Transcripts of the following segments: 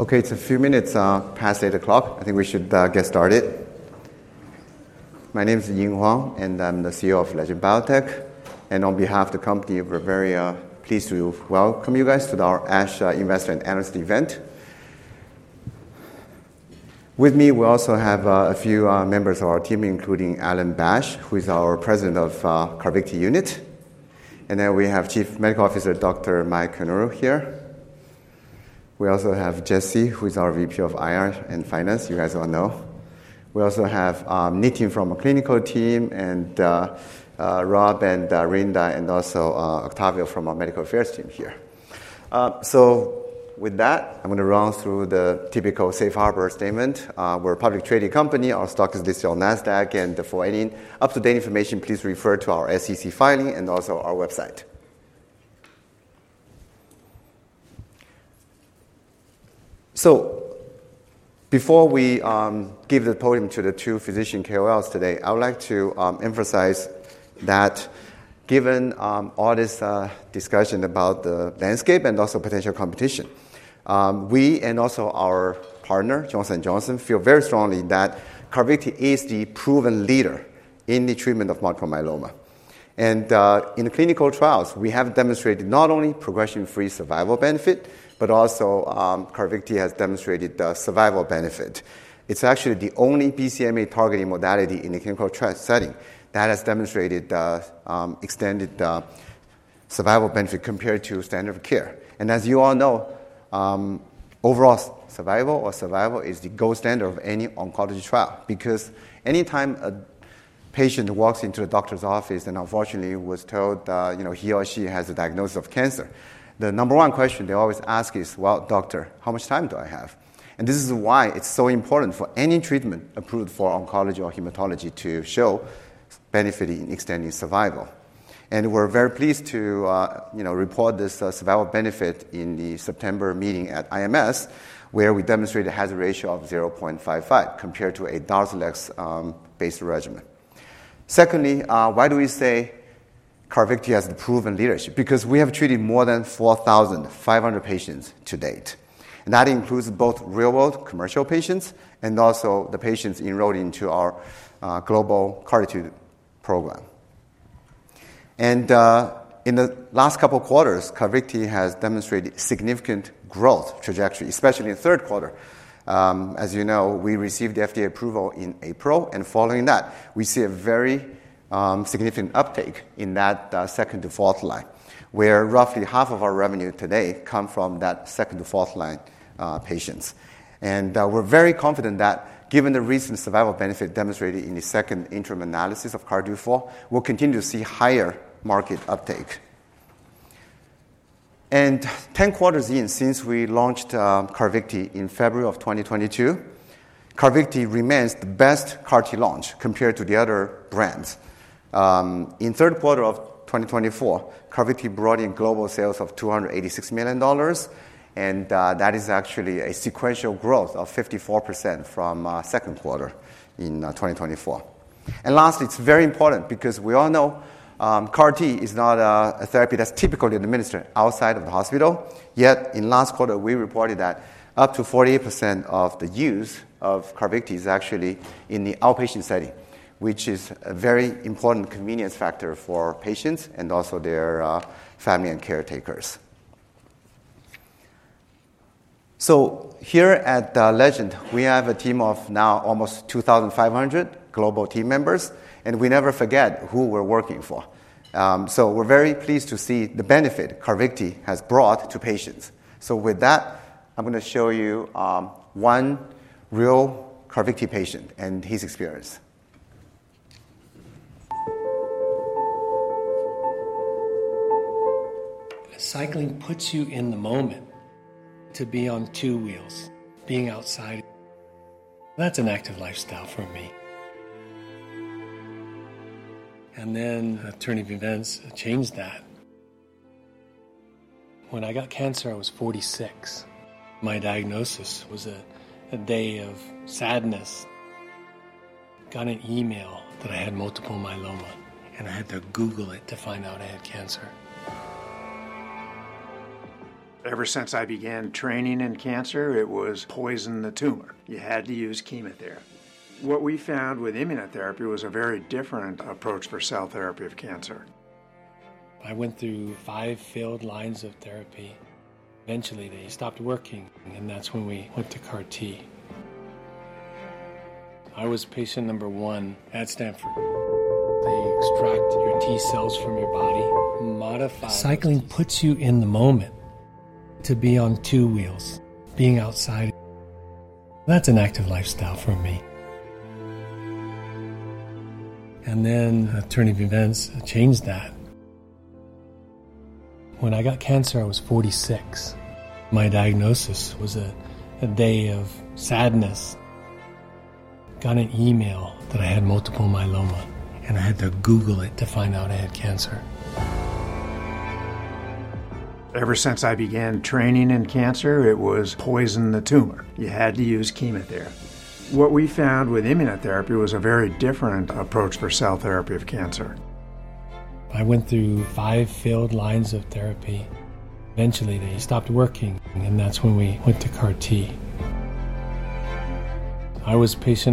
Okay, it's a few minutes past 8:00 A.M. I think we should get started. My name is Ying Huang, and I'm the CEO of Legend Biotech. And on behalf of the company, we're very pleased to welcome you guys to our ASH Investor and Analyst event. With me, we also have a few members of our team, including Alan Bash, who is our president of the Carvykti unit. And then we have Chief Medical Officer Dr. Mythili Koneru here. We also have Jessie, who is our VP of IR and Finance, you guys all know. We also have Nitin from our clinical team, and Rob, and Vrinda, and also Octavio from our medical affairs team here. So with that, I'm going to run through the typical safe harbor statement. We're a public trading company. Our stock is listed on NASDAQ under LEGN. Any up-to-date information, please refer to our SEC filing and also our website. Before we give the podium to the two physician KOLs today, I would like to emphasize that given all this discussion about the landscape and also potential competition, we and also our partner, Johnson & Johnson, feel very strongly that Carvykti is the proven leader in the treatment of multiple myeloma. In clinical trials, we have demonstrated not only progression-free survival benefit, but also Carvykti has demonstrated the survival benefit. It's actually the only BCMA-targeted modality in a clinical trial setting that has demonstrated extended survival benefit compared to standard of care. As you all know, overall survival or survival is the gold standard of any oncology trial. Because any time a patient walks into a doctor's office and unfortunately was told he or she has a diagnosis of cancer, the number one question they always ask is, "Well, doctor, how much time do I have?" And this is why it's so important for any treatment approved for oncology or hematology to show benefit in extending survival. And we're very pleased to report this survival benefit in the September meeting at IMS, where we demonstrated a hazard ratio of 0.55 compared to a Darzalex-based regimen. Secondly, why do we say Carvykti has the proven leadership? Because we have treated more than 4,500 patients to date. And that includes both real-world commercial patients and also the patients enrolled into our global CARTITUDE program. And in the last couple of quarters, Carvykti has demonstrated significant growth trajectory, especially in the third quarter. As you know, we received FDA approval in April. Following that, we see a very significant uptake in that second to fourth line, where roughly half of our revenue today comes from that second to fourth line patients. We're very confident that given the recent survival benefit demonstrated in the second interim analysis of CARTITUDE-4, we'll continue to see higher market uptake. 10 quarters in, since we launched Carvykti in February of 2022, Carvykti remains the best CAR-T launch compared to the other brands. In the third quarter of 2024, Carvykti brought in global sales of $286 million. That is actually a sequential growth of 54% from second quarter in 2024. Lastly, it's very important because we all know CAR-T is not a therapy that's typically administered outside of the hospital. Yet in last quarter, we reported that up to 48% of the use of Carvykti is actually in the outpatient setting, which is a very important convenience factor for patients and also their family and caretakers. So here at Legend, we have a team of now almost 2,500 global team members. And we never forget who we're working for. So we're very pleased to see the benefit Carvykti has brought to patients. So with that, I'm going to show you one real Carvykti patient and his experience. Ever since I began training in cancer, it was poison the tumor. You had to use chemotherapy. What we found with immunotherapy was a very different approach for cell therapy of cancer. I went through five failed lines of therapy. Eventually, they stopped working. And that's when we went to CAR-T. I was patient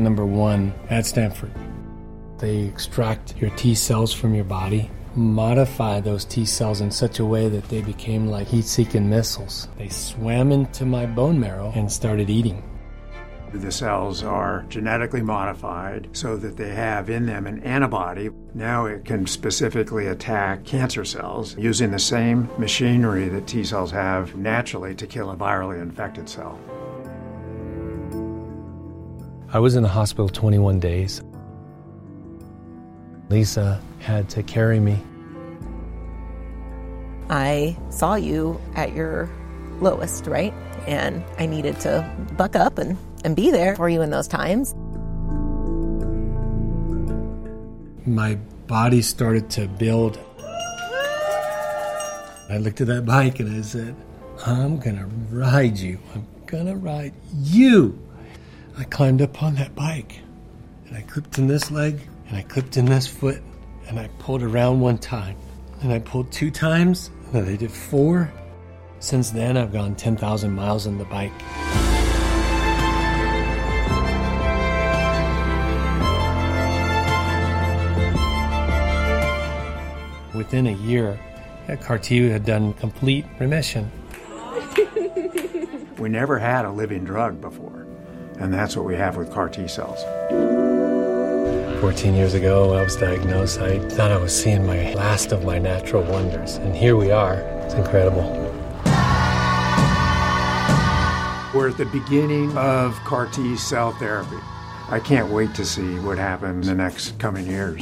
number one at Stanford. They extract your T cells from your body, modify those T cells in such a way that they became like heat-seeking missiles. They swam into my bone marrow and started eating. The cells are genetically modified so that they have in them an antibody. Now it can specifically attack cancer cells using the same machinery that T cells have naturally to kill a virally infected cell. I was in the hospital 21 days. Lisa had to carry me. I saw you at your lowest, right? And I needed to buck up and be there for you in those times. My body started to build. I looked at that bike and I said, "I'm going to ride you. I'm going to ride you." I climbed up on that bike. And I clipped in this leg. And I clipped in this foot. And I pulled around one time. And I pulled two times. And I did four. Since then, I've gone 10,000 miles on the bike. Within a year, CAR-T had done complete remission. We never had a living drug before, and that's what we have with CAR-T cells. 14 years ago, I was diagnosed. I thought I was seeing my last of my natural wonders and here we are. It's incredible. We're at the beginning of CAR-T cell therapy. I can't wait to see what happens in the next coming years.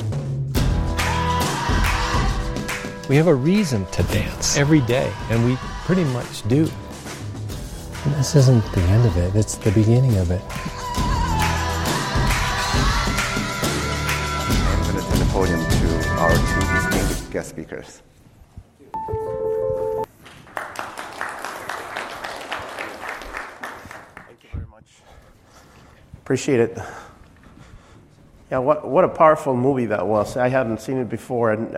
We have a reason to dance every day. And we pretty much do. This isn't the end of it. It's the beginning of it. We're going to turn the podium to our two distinguished guest speakers. Thank you very much. Appreciate it. Yeah, what a powerful movie that was. I hadn't seen it before, and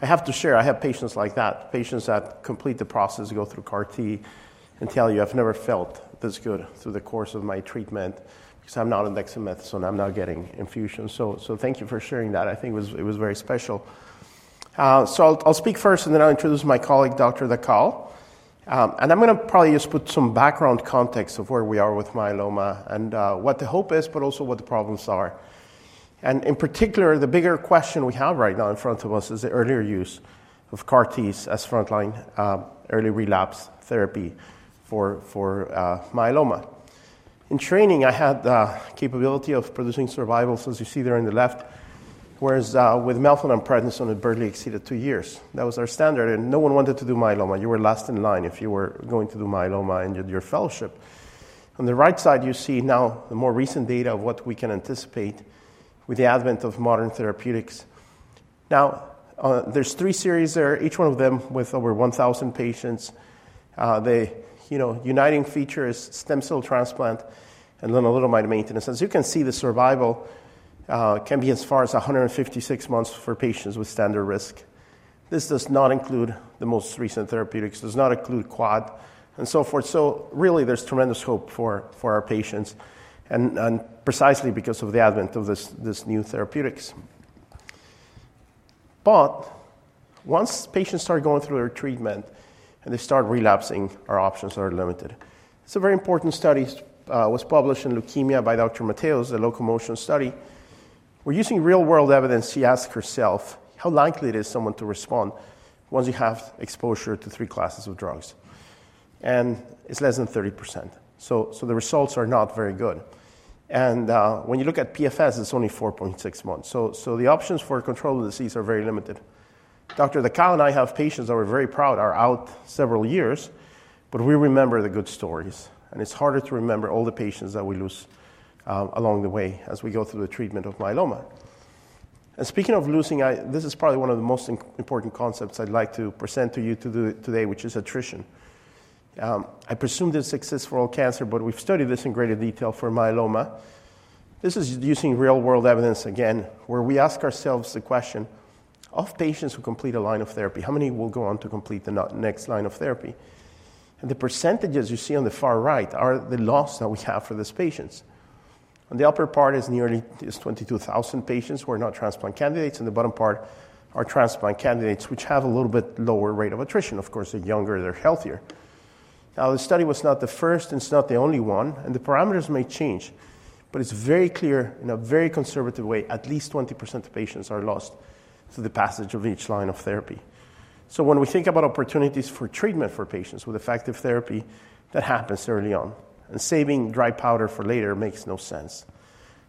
I have to share, I have patients like that, patients that complete the process, go through CAR-T, and tell you, "I've never felt this good through the course of my treatment because I'm not on dexamethasone. I'm not getting infusions," so thank you for sharing that. I think it was very special, so I'll speak first, and then I'll introduce my colleague, Dr. Dhakal. And I'm going to probably just put some background context of where we are with myeloma and what the hope is, but also what the problems are, and in particular, the bigger question we have right now in front of us is the earlier use of CAR-Ts as frontline early relapse therapy for myeloma. In training, I had the capability of producing survivals, as you see there on the left, whereas with melphalan prednisone, it barely exceeded two years. That was our standard. And no one wanted to do myeloma. You were last in line if you were going to do myeloma and your fellowship. On the right side, you see now the more recent data of what we can anticipate with the advent of modern therapeutics. Now, there's three series there, each one of them with over 1,000 patients. The uniting feature is stem cell transplant and then a little bit of maintenance. As you can see, the survival can be as far as 156 months for patients with standard risk. This does not include the most recent therapeutics. It does not include quad and so forth. So really, there's tremendous hope for our patients, and precisely because of the advent of these new therapeutics. But once patients start going through their treatment and they start relapsing, our options are limited. It's a very important study. It was published in Leukemia by Dr. Mateos, the LocoMMotion study. We're using real-world evidence. She asked herself how likely it is for someone to respond once you have exposure to three classes of drugs. And it's less than 30%. So the results are not very good. And when you look at PFS, it's only 4.6 months. So the options for control of the disease are very limited. Dr. Dhakal and I have patients that we're very proud are out several years, but we remember the good stories. And it's harder to remember all the patients that we lose along the way as we go through the treatment of myeloma. Speaking of losing, this is probably one of the most important concepts I'd like to present to you today, which is attrition. I presume this exists for all cancer, but we've studied this in greater detail for myeloma. This is using real-world evidence, again, where we ask ourselves the question, of patients who complete a line of therapy, how many will go on to complete the next line of therapy? The percentages you see on the far right are the loss that we have for these patients. On the upper part is nearly 22,000 patients who are not transplant candidates. The bottom part are transplant candidates, which have a little bit lower rate of attrition. Of course, the younger, they're healthier. Now, the study was not the first, and it's not the only one. The parameters may change. It's very clear in a very conservative way, at least 20% of patients are lost through the passage of each line of therapy. So when we think about opportunities for treatment for patients with effective therapy, that happens early on. And saving dry powder for later makes no sense.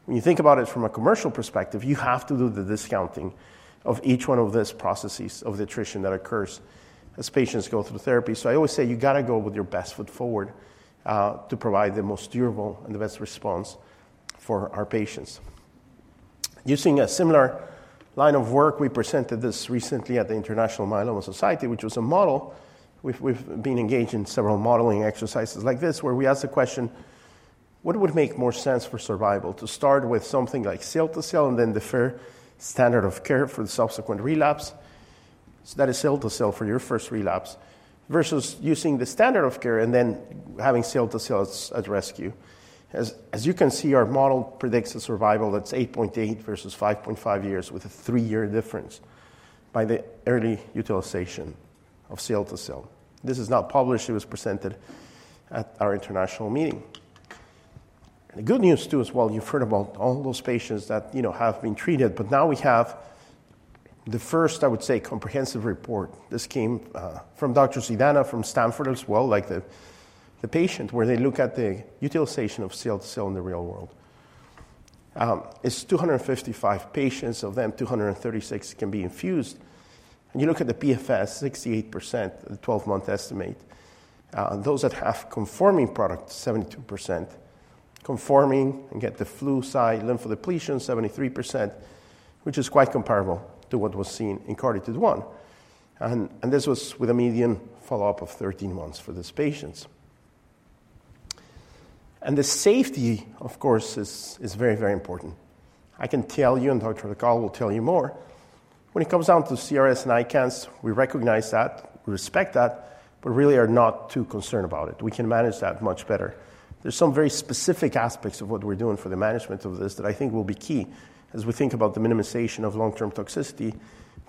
When you think about it from a commercial perspective, you have to do the discounting of each one of these processes of the attrition that occurs as patients go through therapy. So I always say you've got to go with your best foot forward to provide the most durable and the best response for our patients. Using a similar line of work, we presented this recently at the International Myeloma Society, which was a model we've been engaged in several modeling exercises like this, where we asked the question, what would make more sense for survival to start with something like cilta-cel and then the BCMA standard of care for the subsequent relapse? So that is cilta-cel for your first relapse versus using the standard of care and then having cilta-cel as rescue. As you can see, our model predicts a survival that's 8.8 versus 5.5 years with a three-year difference by the early utilization of cilta-cel. This is not published. It was presented at our international meeting, and the good news too is, well, you've heard about all those patients that have been treated. But now we have the first, I would say, comprehensive report. This came from Dr. Sidana from Stanford as well, like the patient where they look at the utilization of cilta-cel in the real world. It's 255 patients. Of them, 236 can be infused. And you look at the PFS, 68%, the 12-month estimate. Those that have conforming product, 72%, conforming and get the Flu/Cy lymphodepletion, 73%, which is quite comparable to what was seen in CARTITUDE-1. And this was with a median follow-up of 13 months for these patients. And the safety, of course, is very, very important. I can tell you, and Dr. Dhakal will tell you more. When it comes down to CRS and ICANS, we recognize that. We respect that, but really are not too concerned about it. We can manage that much better. There's some very specific aspects of what we're doing for the management of this that I think will be key as we think about the minimization of long-term toxicity,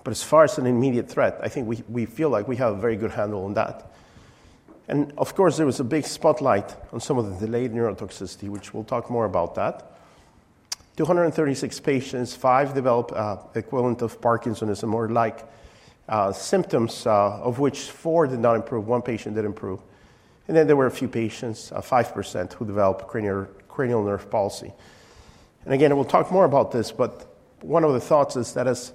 but as far as an immediate threat, I think we feel like we have a very good handle on that, and of course, there was a big spotlight on some of the delayed neurotoxicity, which we'll talk more about that. 236 patients, five developed equivalent of parkinsonism or like symptoms, of which four did not improve. One patient did improve, and then there were a few patients, 5%, who developed cranial nerve palsy, and again, we'll talk more about this, but one of the thoughts is that as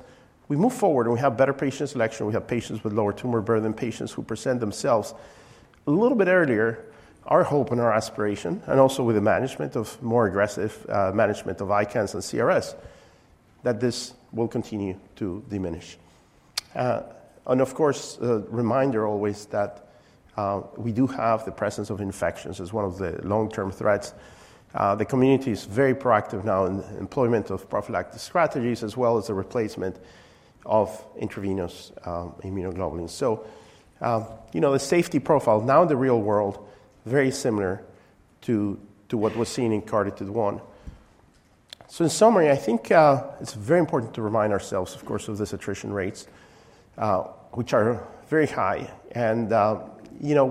we move forward, we have better patient selection. We have patients with lower tumor burden than patients who present themselves a little bit earlier. Our hope and our aspiration, and also with the management of more aggressive management of ICANS and CRS, that this will continue to diminish. And of course, a reminder always that we do have the presence of infections as one of the long-term threats. The community is very proactive now in the employment of prophylactic strategies as well as the replacement of intravenous immunoglobulins. So the safety profile now in the real world is very similar to what was seen in CARTITUDE-1. So in summary, I think it's very important to remind ourselves, of course, of these attrition rates, which are very high. And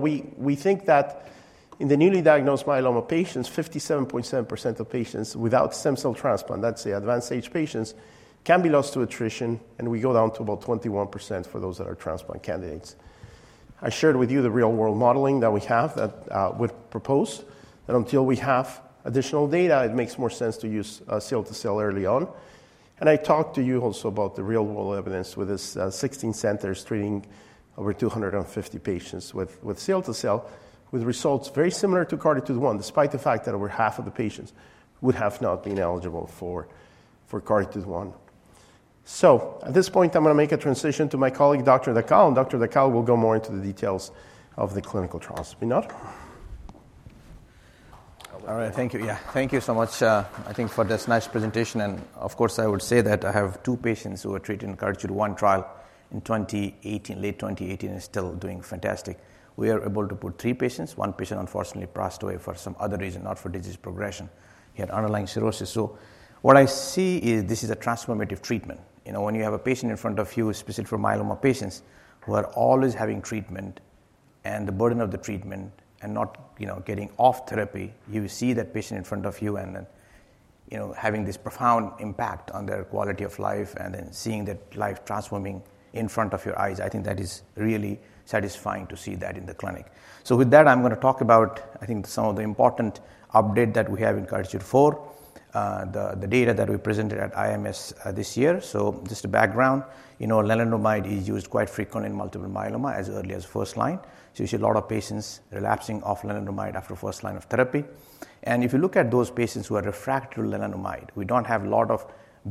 we think that in the newly diagnosed myeloma patients, 57.7% of patients without stem cell transplant, that's the advanced-age patients, can be lost to attrition. And we go down to about 21% for those that are transplant candidates. I shared with you the real-world modeling that we have, that we propose, that until we have additional data, it makes more sense to use cilta-cel early on. And I talked to you also about the real-world evidence with this 16 centers treating over 250 patients with cilta-cel with results very similar to CARTITUDE-1, despite the fact that over half of the patients would have not been eligible for CARTITUDE-1. So at this point, I'm going to make a transition to my colleague, Dr. Dhakal. And Dr. Dhakal will go more into the details of the clinical trials. Please nod. All right. Thank you. Yeah, thank you so much, I think, for this nice presentation, and of course, I would say that I have two patients who were treated in CARTITUDE-1 trial in 2018, late 2018, and still doing fantastic. We are able to put three patients. One patient, unfortunately, passed away for some other reason, not for disease progression. He had underlying cirrhosis. So what I see is this is a transformative treatment. When you have a patient in front of you, especially for myeloma patients who are always having treatment and the burden of the treatment and not getting off therapy, you see that patient in front of you and then having this profound impact on their quality of life and then seeing that life transforming in front of your eyes, I think that is really satisfying to see that in the clinic. So with that, I'm going to talk about, I think, some of the important update that we have in CARTITUDE 4, the data that we presented at IMS this year. So just a background, lenalidomide is used quite frequently in multiple myeloma as early as first line. So you see a lot of patients relapsing off lenalidomide after first line of therapy. And if you look at those patients who are refractory to lenalidomide, we don't have a lot of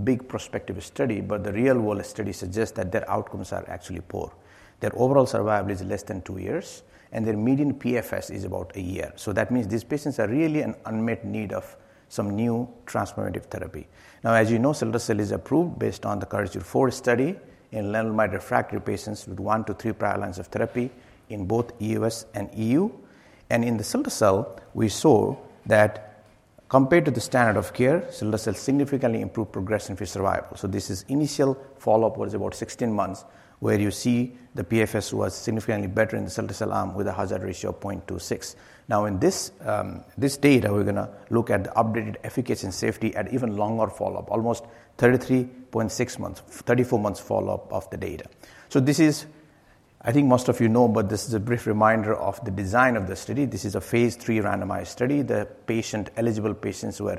big prospective study. But the real-world study suggests that their outcomes are actually poor. Their overall survival is less than two years. And their median PFS is about a year. So that means these patients are really in unmet need of some new transformative therapy. Now, as you know, cilta-cel is approved based on the CARTITUDE-4 study in lenalidomide refractory patients with one to three prior lines of therapy in both US and EU. And in the cilta-cel, we saw that compared to the standard of care, cilta-cel significantly improved progression-free survival. So this initial follow-up was about 16 months, where you see the PFS was significantly better in the cilta-cel arm with a hazard ratio of 0.26. Now, in this data, we're going to look at the updated efficacy and safety at even longer follow-up, almost 33.6 months, 34 months follow-up of the data. So this is, I think most of you know, but this is a brief reminder of the design of the study. This is a phase 3 randomized study. The eligible patients who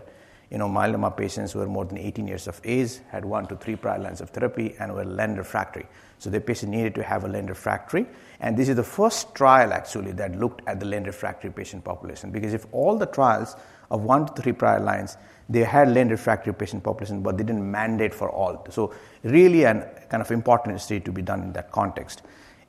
are myeloma patients who are more than 18 years of age had one to three prior lines of therapy and were len-refractory so the patient needed to have a len-refractory. And this is the first trial, actually, that looked at the len-refractory patient population. Because in all the trials of one to three prior lines, they had len-refractory patient population, but they didn't mandate for all. So really a kind of important study to be done in that context.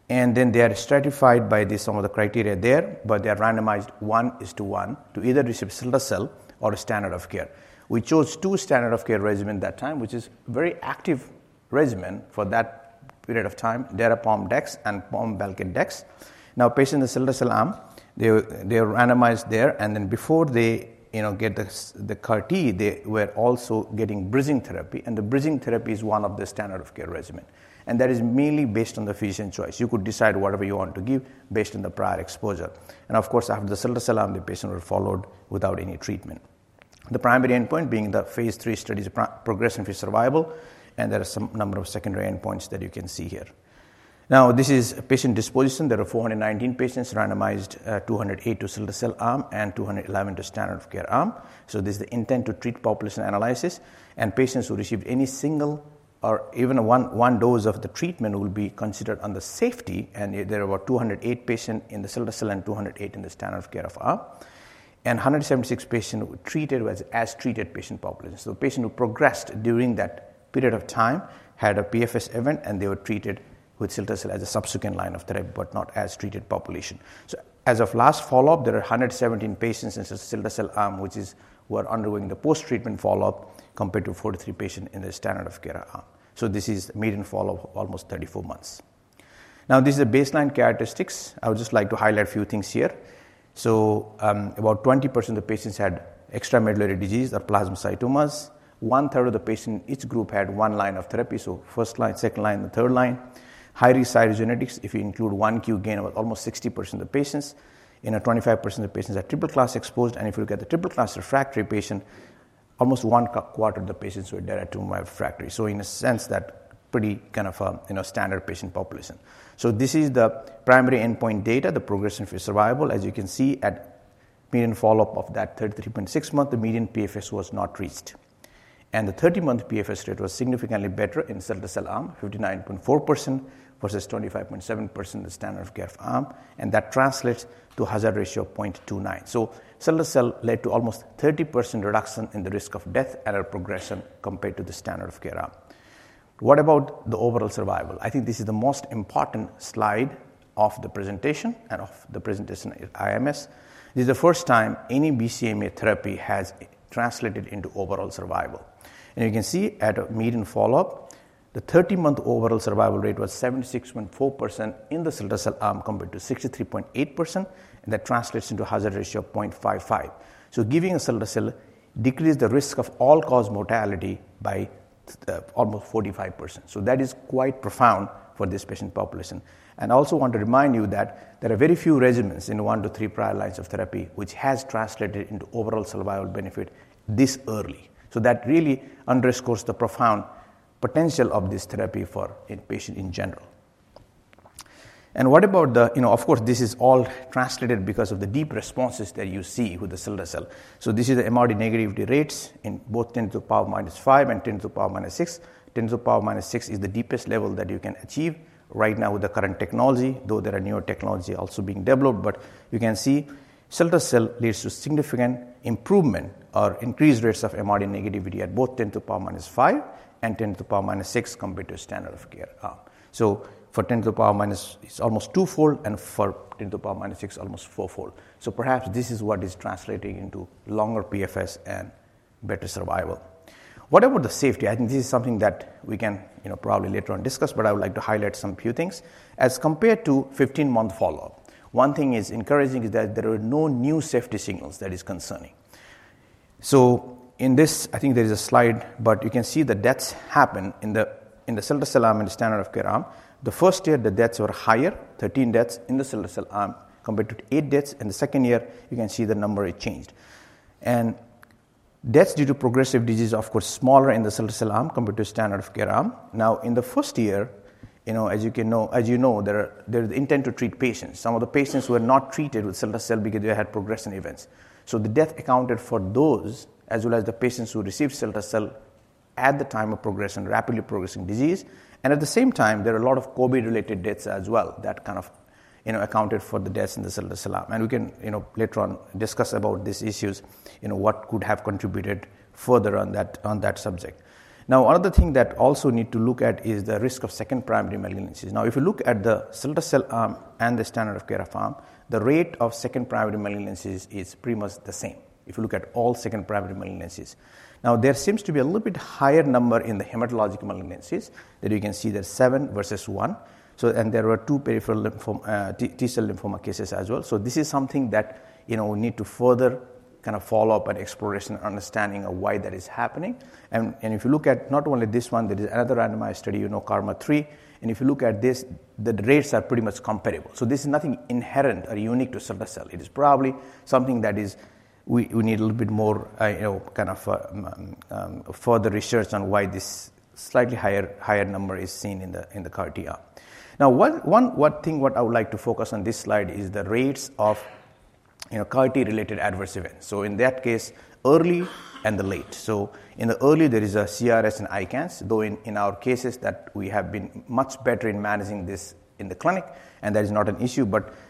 And then they are stratified by some of the criteria there. But they are randomized one to one to either receive cilta-cel or a standard of care. We chose two standard of care regimens at that time, which is a very active regimen for that period of time, Dara-Pom-Dex and Pom-Bor-Dex. Now, patients in the cilta-cel arm, they are randomized there. And then before they get the CAR-T, they were also getting bridging therapy. And the bridging therapy is one of the standard of care regimen. And that is mainly based on the physician choice. You could decide whatever you want to give based on the prior exposure. And of course, after the cilta-cel arm, the patient was followed without any treatment. The primary endpoint being the phase III study's progression-free survival. And there are some number of secondary endpoints that you can see here. Now, this is patient disposition. There are 419 patients randomized 208 to cilta-cel arm and 211 to standard of care arm. So this is the intent to treat population analysis. And patients who received any single or even one dose of the treatment will be considered under safety. There are about 208 patients in the cilta-cel and 208 in the standard of care arm. 176 patients were treated as treated patient population. The patient who progressed during that period of time had a PFS event. They were treated with cilta-cel as a subsequent line of therapy, but not as treated population. As of last follow-up, there are 117 patients in the cilta-cel arm, which were undergoing the post-treatment follow-up compared to 43 patients in the standard of care arm. This is median follow-up of almost 34 months. Now, these are baseline characteristics. I would just like to highlight a few things here. About 20% of the patients had extramedullary disease or plasmacytomas. One third of the patients in each group had one line of therapy. First line, second line, and third line. High-risk cytogenetics. If you include 1q gain of almost 60% of the patients, and 25% of the patients are triple-class exposed. If you look at the triple-class refractory patient, almost one quarter of the patients were Darzalex refractory. In a sense, that's pretty kind of a standard patient population. This is the primary endpoint data, the progression-free survival. As you can see, at median follow-up of that 33.6 months, the median PFS was not reached. The 30-month PFS rate was significantly better in cilta-cel arm, 59.4% versus 25.7% in the standard of care arm. That translates to a hazard ratio of 0.29. Cilta-cel led to almost 30% reduction in the risk of death or progression compared to the standard of care arm. What about the overall survival? I think this is the most important slide of the presentation and of the presentation at IMS. This is the first time any BCMA therapy has translated into overall survival. You can see at median follow-up the 30-month overall survival rate was 76.4% in the cilta-cel arm compared to 63.8%. That translates into a hazard ratio of 0.55. Giving a cilta-cel decreased the risk of all-cause mortality by almost 45%. That is quite profound for this patient population. I also want to remind you that there are very few regimens in one to three prior lines of therapy which have translated into overall survival benefit this early. That really underscores the profound potential of this therapy for patients in general. Of course, this is all translated because of the deep responses that you see with the cilta-cel. So this is the MRD negativity rates in both 10 to the power minus 5 and 10 to the power minus 6. 10 to the power minus 6 is the deepest level that you can achieve right now with the current technology, though there are newer technologies also being developed. But you can see cilta-cel leads to significant improvement or increased rates of MRD negativity at both 10 to the power minus 5 and 10 to the power minus 6 compared to standard of care arm. So for 10 to the power minus, it's almost twofold. And for 10 to the power minus 6, almost fourfold. So perhaps this is what is translating into longer PFS and better survival. What about the safety? I think this is something that we can probably later on discuss. But I would like to highlight some few things. As compared to 15-month follow-up, one thing that is encouraging is that there are no new safety signals that are concerning, so in this, I think there is a slide, but you can see the deaths happen in the cilta-cel arm and the standard of care arm. The first year, the deaths were higher, 13 deaths in the cilta-cel arm compared to 8 deaths, and the second year, you can see the number changed. And deaths due to progressive disease are, of course, smaller in the cilta-cel arm compared to standard of care arm. Now, in the first year, as you know, there is the intent to treat patients. Some of the patients were not treated with cilta-cel because they had progression events. So the death accounted for those as well as the patients who received cilta-cel at the time of progression, rapidly progressing disease. At the same time, there are a lot of COVID-related deaths as well that kind of accounted for the deaths in the cilta-cel arm. We can later on discuss about these issues, what could have contributed further on that subject. Now, another thing that we also need to look at is the risk of second primary malignancies. Now, if you look at the cilta-cel arm and the standard of care arm, the rate of second primary malignancies is pretty much the same if you look at all second primary malignancies. Now, there seems to be a little bit higher number in the hematologic malignancies that you can see there's seven versus one. There were two peripheral T-cell lymphoma cases as well. This is something that we need to further kind of follow-up and exploration and understanding of why that is happening. And if you look at not only this one, there is another randomized study, you know, KarMMa-3. And if you look at this, the rates are pretty much comparable. So this is nothing inherent or unique to cilta-cel. It is probably something that we need a little bit more kind of further research on why this slightly higher number is seen in the CAR-T arm. Now, one thing I would like to focus on this slide is the rates of CAR-T-related adverse events. So in that case, early and the late. So in the early, there is a CRS and ICANS. Though in our cases, we have been much better in managing this in the clinic. And that is not an issue.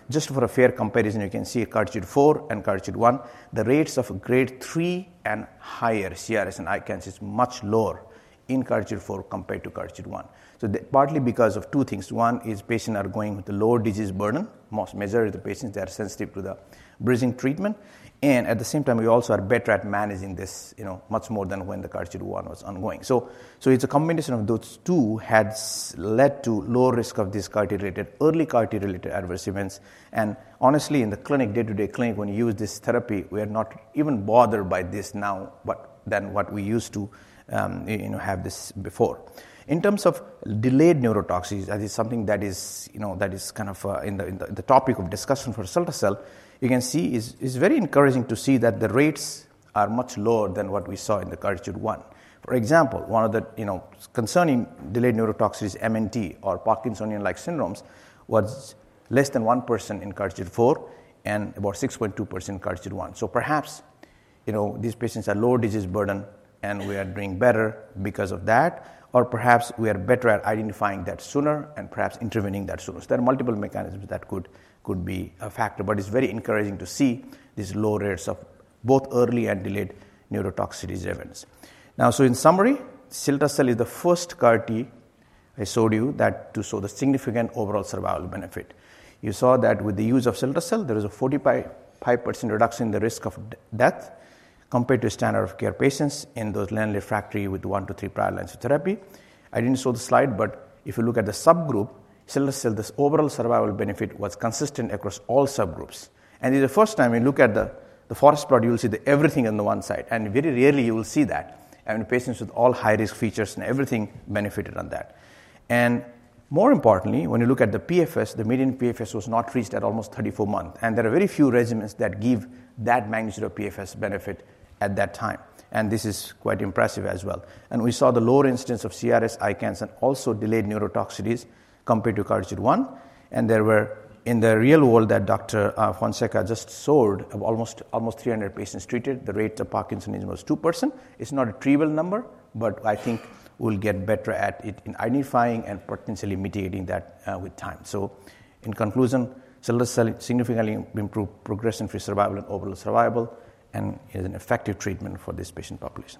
Just for a fair comparison, you can see CARTITUDE-4 and CARTITUDE-1. The rates of grade III and higher CRS and ICANS is much lower in CARTITUDE-4 compared to CARTITUDE-1. Partly because of two things. One is patients are going with the lower disease burden. Most majority of the patients are sensitive to the bridging treatment. And at the same time, we also are better at managing this much more than when the CARTITUDE-1 was ongoing. It's a combination of those two that has led to lower risk of these early CAR-T-related adverse events. And honestly, in the clinic, day-to-day clinic, when you use this therapy, we are not even bothered by this now than what we used to have this before. In terms of delayed neurotoxicity, that is something that is kind of in the topic of discussion for cilta-cel. You can see it's very encouraging to see that the rates are much lower than what we saw in the CARTITUDE-1. For example, one of the concerning delayed neurotoxicities is MNT or Parkinsonian-like syndromes. It was less than 1% in CARTITUDE-4 and about 6.2% in CARTITUDE-1. Perhaps these patients have lower disease burden. We are doing better because of that. Perhaps we are better at identifying that sooner and perhaps intervening that sooner. There are multiple mechanisms that could be a factor. It's very encouraging to see these low rates of both early and delayed neurotoxicity disease events. In summary, cilta-cel is the first CAR-T I showed you to show the significant overall survival benefit. You saw that with the use of cilta-cel, there was a 45% reduction in the risk of death compared to standard of care patients in those lenalidomide-refractory with one to three prior lines of therapy. I didn't show the slide, but if you look at the subgroup, cilta-cel, this overall survival benefit was consistent across all subgroups, and this is the first time when you look at the forest plot, you will see everything on the one side, and very rarely you will see that, and patients with all high-risk features and everything benefited on that, and more importantly, when you look at the PFS, the median PFS was not reached at almost 34 months. And there are very few regimens that give that magnitude of PFS benefit at that time. And this is quite impressive as well. We saw the lower incidence of CRS, ICANS, and also delayed neurotoxicity compared to CARTITUDE-1. In the real world that Dr. Fonseca just showed, almost 300 patients treated. The rate of parkinsonism was 2%. It's not a trivial number. I think we'll get better at identifying and potentially mitigating that with time. In conclusion, cilta-cel significantly improved progression-free survival and overall survival. It is an effective treatment for this patient population.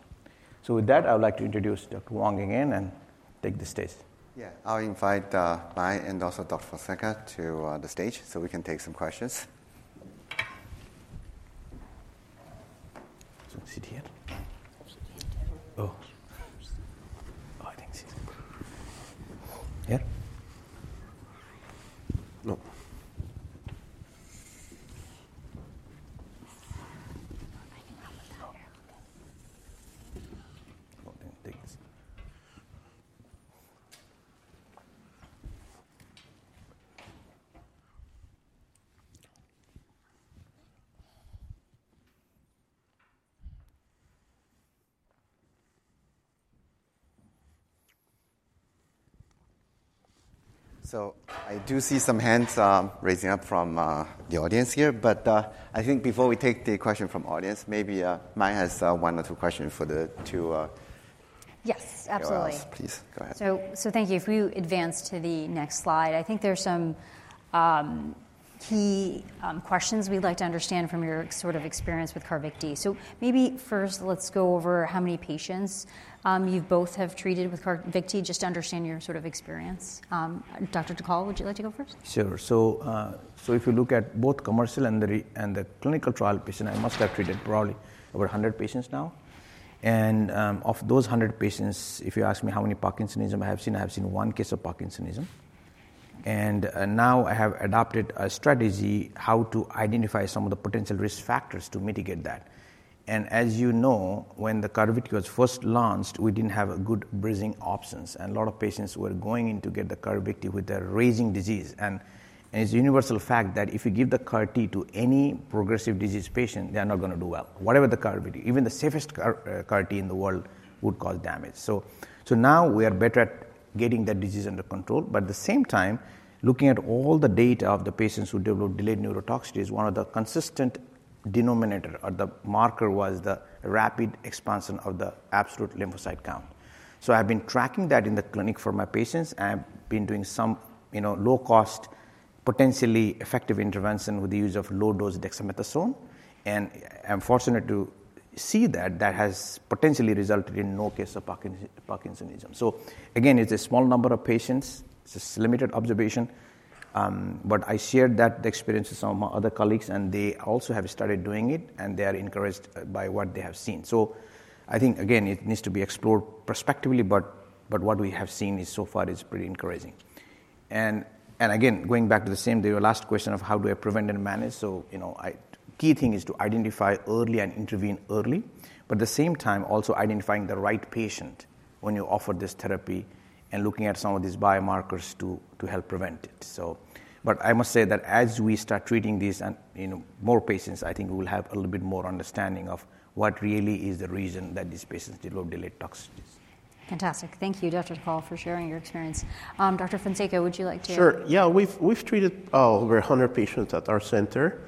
With that, I would like to introduce Dr. Huang again and take the stage. Yeah. I'll invite Mythili and also Dr. Fonseca to the stage so we can take some questions. So sit here. Oh. Oh, I think so. Yeah? No. Oh, thank you. So I do see some hands raising up from the audience here. But I think before we take the question from the audience, maybe Mythili has one or two questions for the two. Yes, absolutely. Yes, please. Go ahead. So thank you. If we advance to the next slide, I think there are some key questions we'd like to understand from your sort of experience with Carvykti. So maybe first, let's go over how many patients you both have treated with Carvykti. Just to understand your sort of experience. Dr. Dhakal, would you like to go first? Sure. So if you look at both commercial and the clinical trial patient, I must have treated probably over 100 patients now. And of those 100 patients, if you ask me how many parkinsonism I have seen, I have seen one case of parkinsonism. And now I have adopted a strategy how to identify some of the potential risk factors to mitigate that. And as you know, when the Carvykti was first launched, we didn't have good bridging options. And a lot of patients were going in to get the Carvykti with a raging disease. And it's a universal fact that if you give the Carvykti to any progressive disease patient, they're not going to do well, whatever the Carvykti. Even the safest Carvykti in the world would cause damage. So now we are better at getting that disease under control. But at the same time, looking at all the data of the patients who developed delayed neurotoxicity, one of the consistent denominators or the marker was the rapid expansion of the absolute lymphocyte count. So I've been tracking that in the clinic for my patients. And I've been doing some low-cost, potentially effective intervention with the use of low-dose dexamethasone. And I'm fortunate to see that that has potentially resulted in no case of parkinsonism. So again, it's a small number of patients. It's a limited observation. But I shared that experience with some of my other colleagues. And they also have started doing it. And they are encouraged by what they have seen. So I think, again, it needs to be explored prospectively. But what we have seen so far is pretty encouraging. And again, going back to the same last question of how do I prevent and manage. So the key thing is to identify early and intervene early. But at the same time, also identifying the right patient when you offer this therapy and looking at some of these biomarkers to help prevent it. But I must say that as we start treating these more patients, I think we will have a little bit more understanding of what really is the reason that these patients develop delayed neurotoxicity. Fantastic. Thank you, Dr. Dhakal, for sharing your experience. Dr. Fonseca, would you like to? Sure. Yeah. We've treated over 100 patients at our center.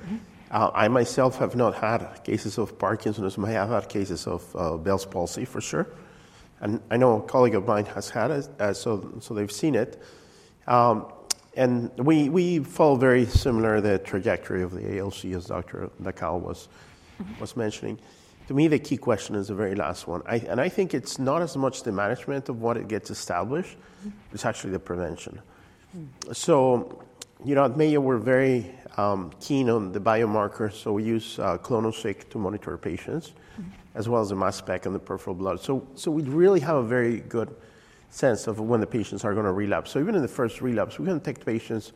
I myself have not had cases of parkinsonism. I have had cases of Bell's palsy, for sure, and I know a colleague of mine has had it, so they've seen it, and we follow very similar the trajectory of the ALC as Dr. Dhakal was mentioning. To me, the key question is the very last one, and I think it's not as much the management of what gets established. It's actually the prevention, so at Mayo, we're very keen on the biomarkers, so we use ClonoSeq to monitor patients as well as the mass spec and the peripheral blood, so we really have a very good sense of when the patients are going to relapse, so even in the first relapse, we're going to take patients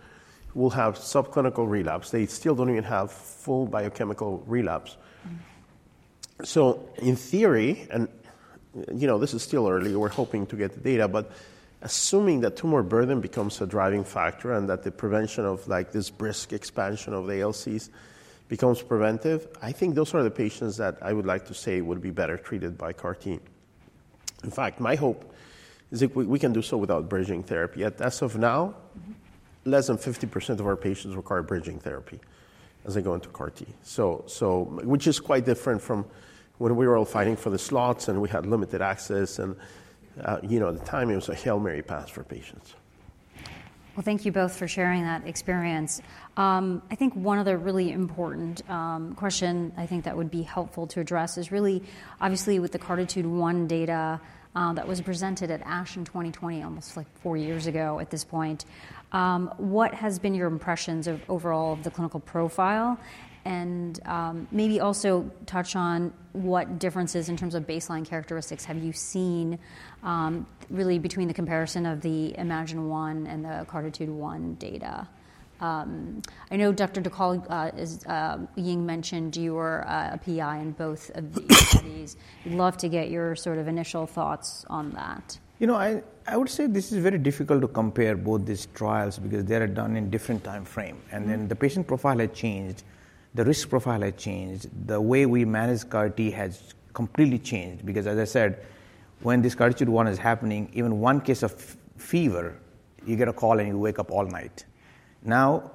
who will have subclinical relapse. They still don't even have full biochemical relapse. So, in theory, and this is still early. We're hoping to get the data. But assuming that tumor burden becomes a driving factor and that the prevention of this brisk expansion of the ALCs becomes preventive, I think those are the patients that I would like to say would be better treated by CAR-T. In fact, my hope is that we can do so without bridging therapy. As of now, less than 50% of our patients require bridging therapy as they go into CAR-T, which is quite different from when we were all fighting for the slots. And we had limited access. And at the time, it was a Hail Mary pass for patients. Thank you both for sharing that experience. I think one other really important question I think that would be helpful to address is really, obviously, with the CARTITUDE-1 data that was presented at ASH in 2020, almost like four years ago at this point, what have been your impressions of overall the clinical profile? And maybe also touch on what differences in terms of baseline characteristics have you seen really between the comparison of the iMMagine-1 and the CARTITUDE-1 data? I know Dr. Dhakal, Ying mentioned you were a PI in both of these studies. We'd love to get your sort of initial thoughts on that. You know, I would say this is very difficult to compare both these trials because they are done in different time frames. And then the patient profile had changed. The risk profile had changed. The way we manage CAR-T has completely changed. Because as I said, when this CARTITUDE-1 is happening, even one case of fever, you get a call and you wake up all night. Now,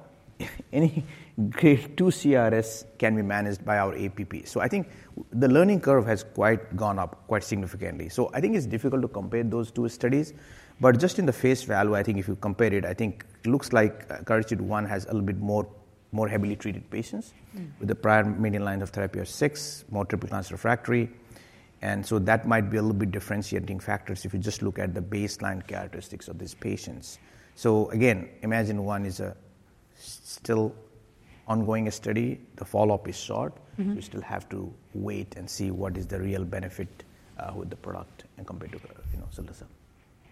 any grade II CRS can be managed by our APP. So I think the learning curve has quite gone up quite significantly. So I think it's difficult to compare those two studies. But just in the face value, I think if you compare it, I think it looks like CARTITUDE-1 has a little bit more heavily treated patients with the prior median line of therapy of six, more triple-class refractory. That might be a little bit differentiating factors if you just look at the baseline characteristics of these patients. Again, iMMagine-1 is still an ongoing study. The follow-up is short. We still have to wait and see what is the real benefit with the product compared to cilta-cel.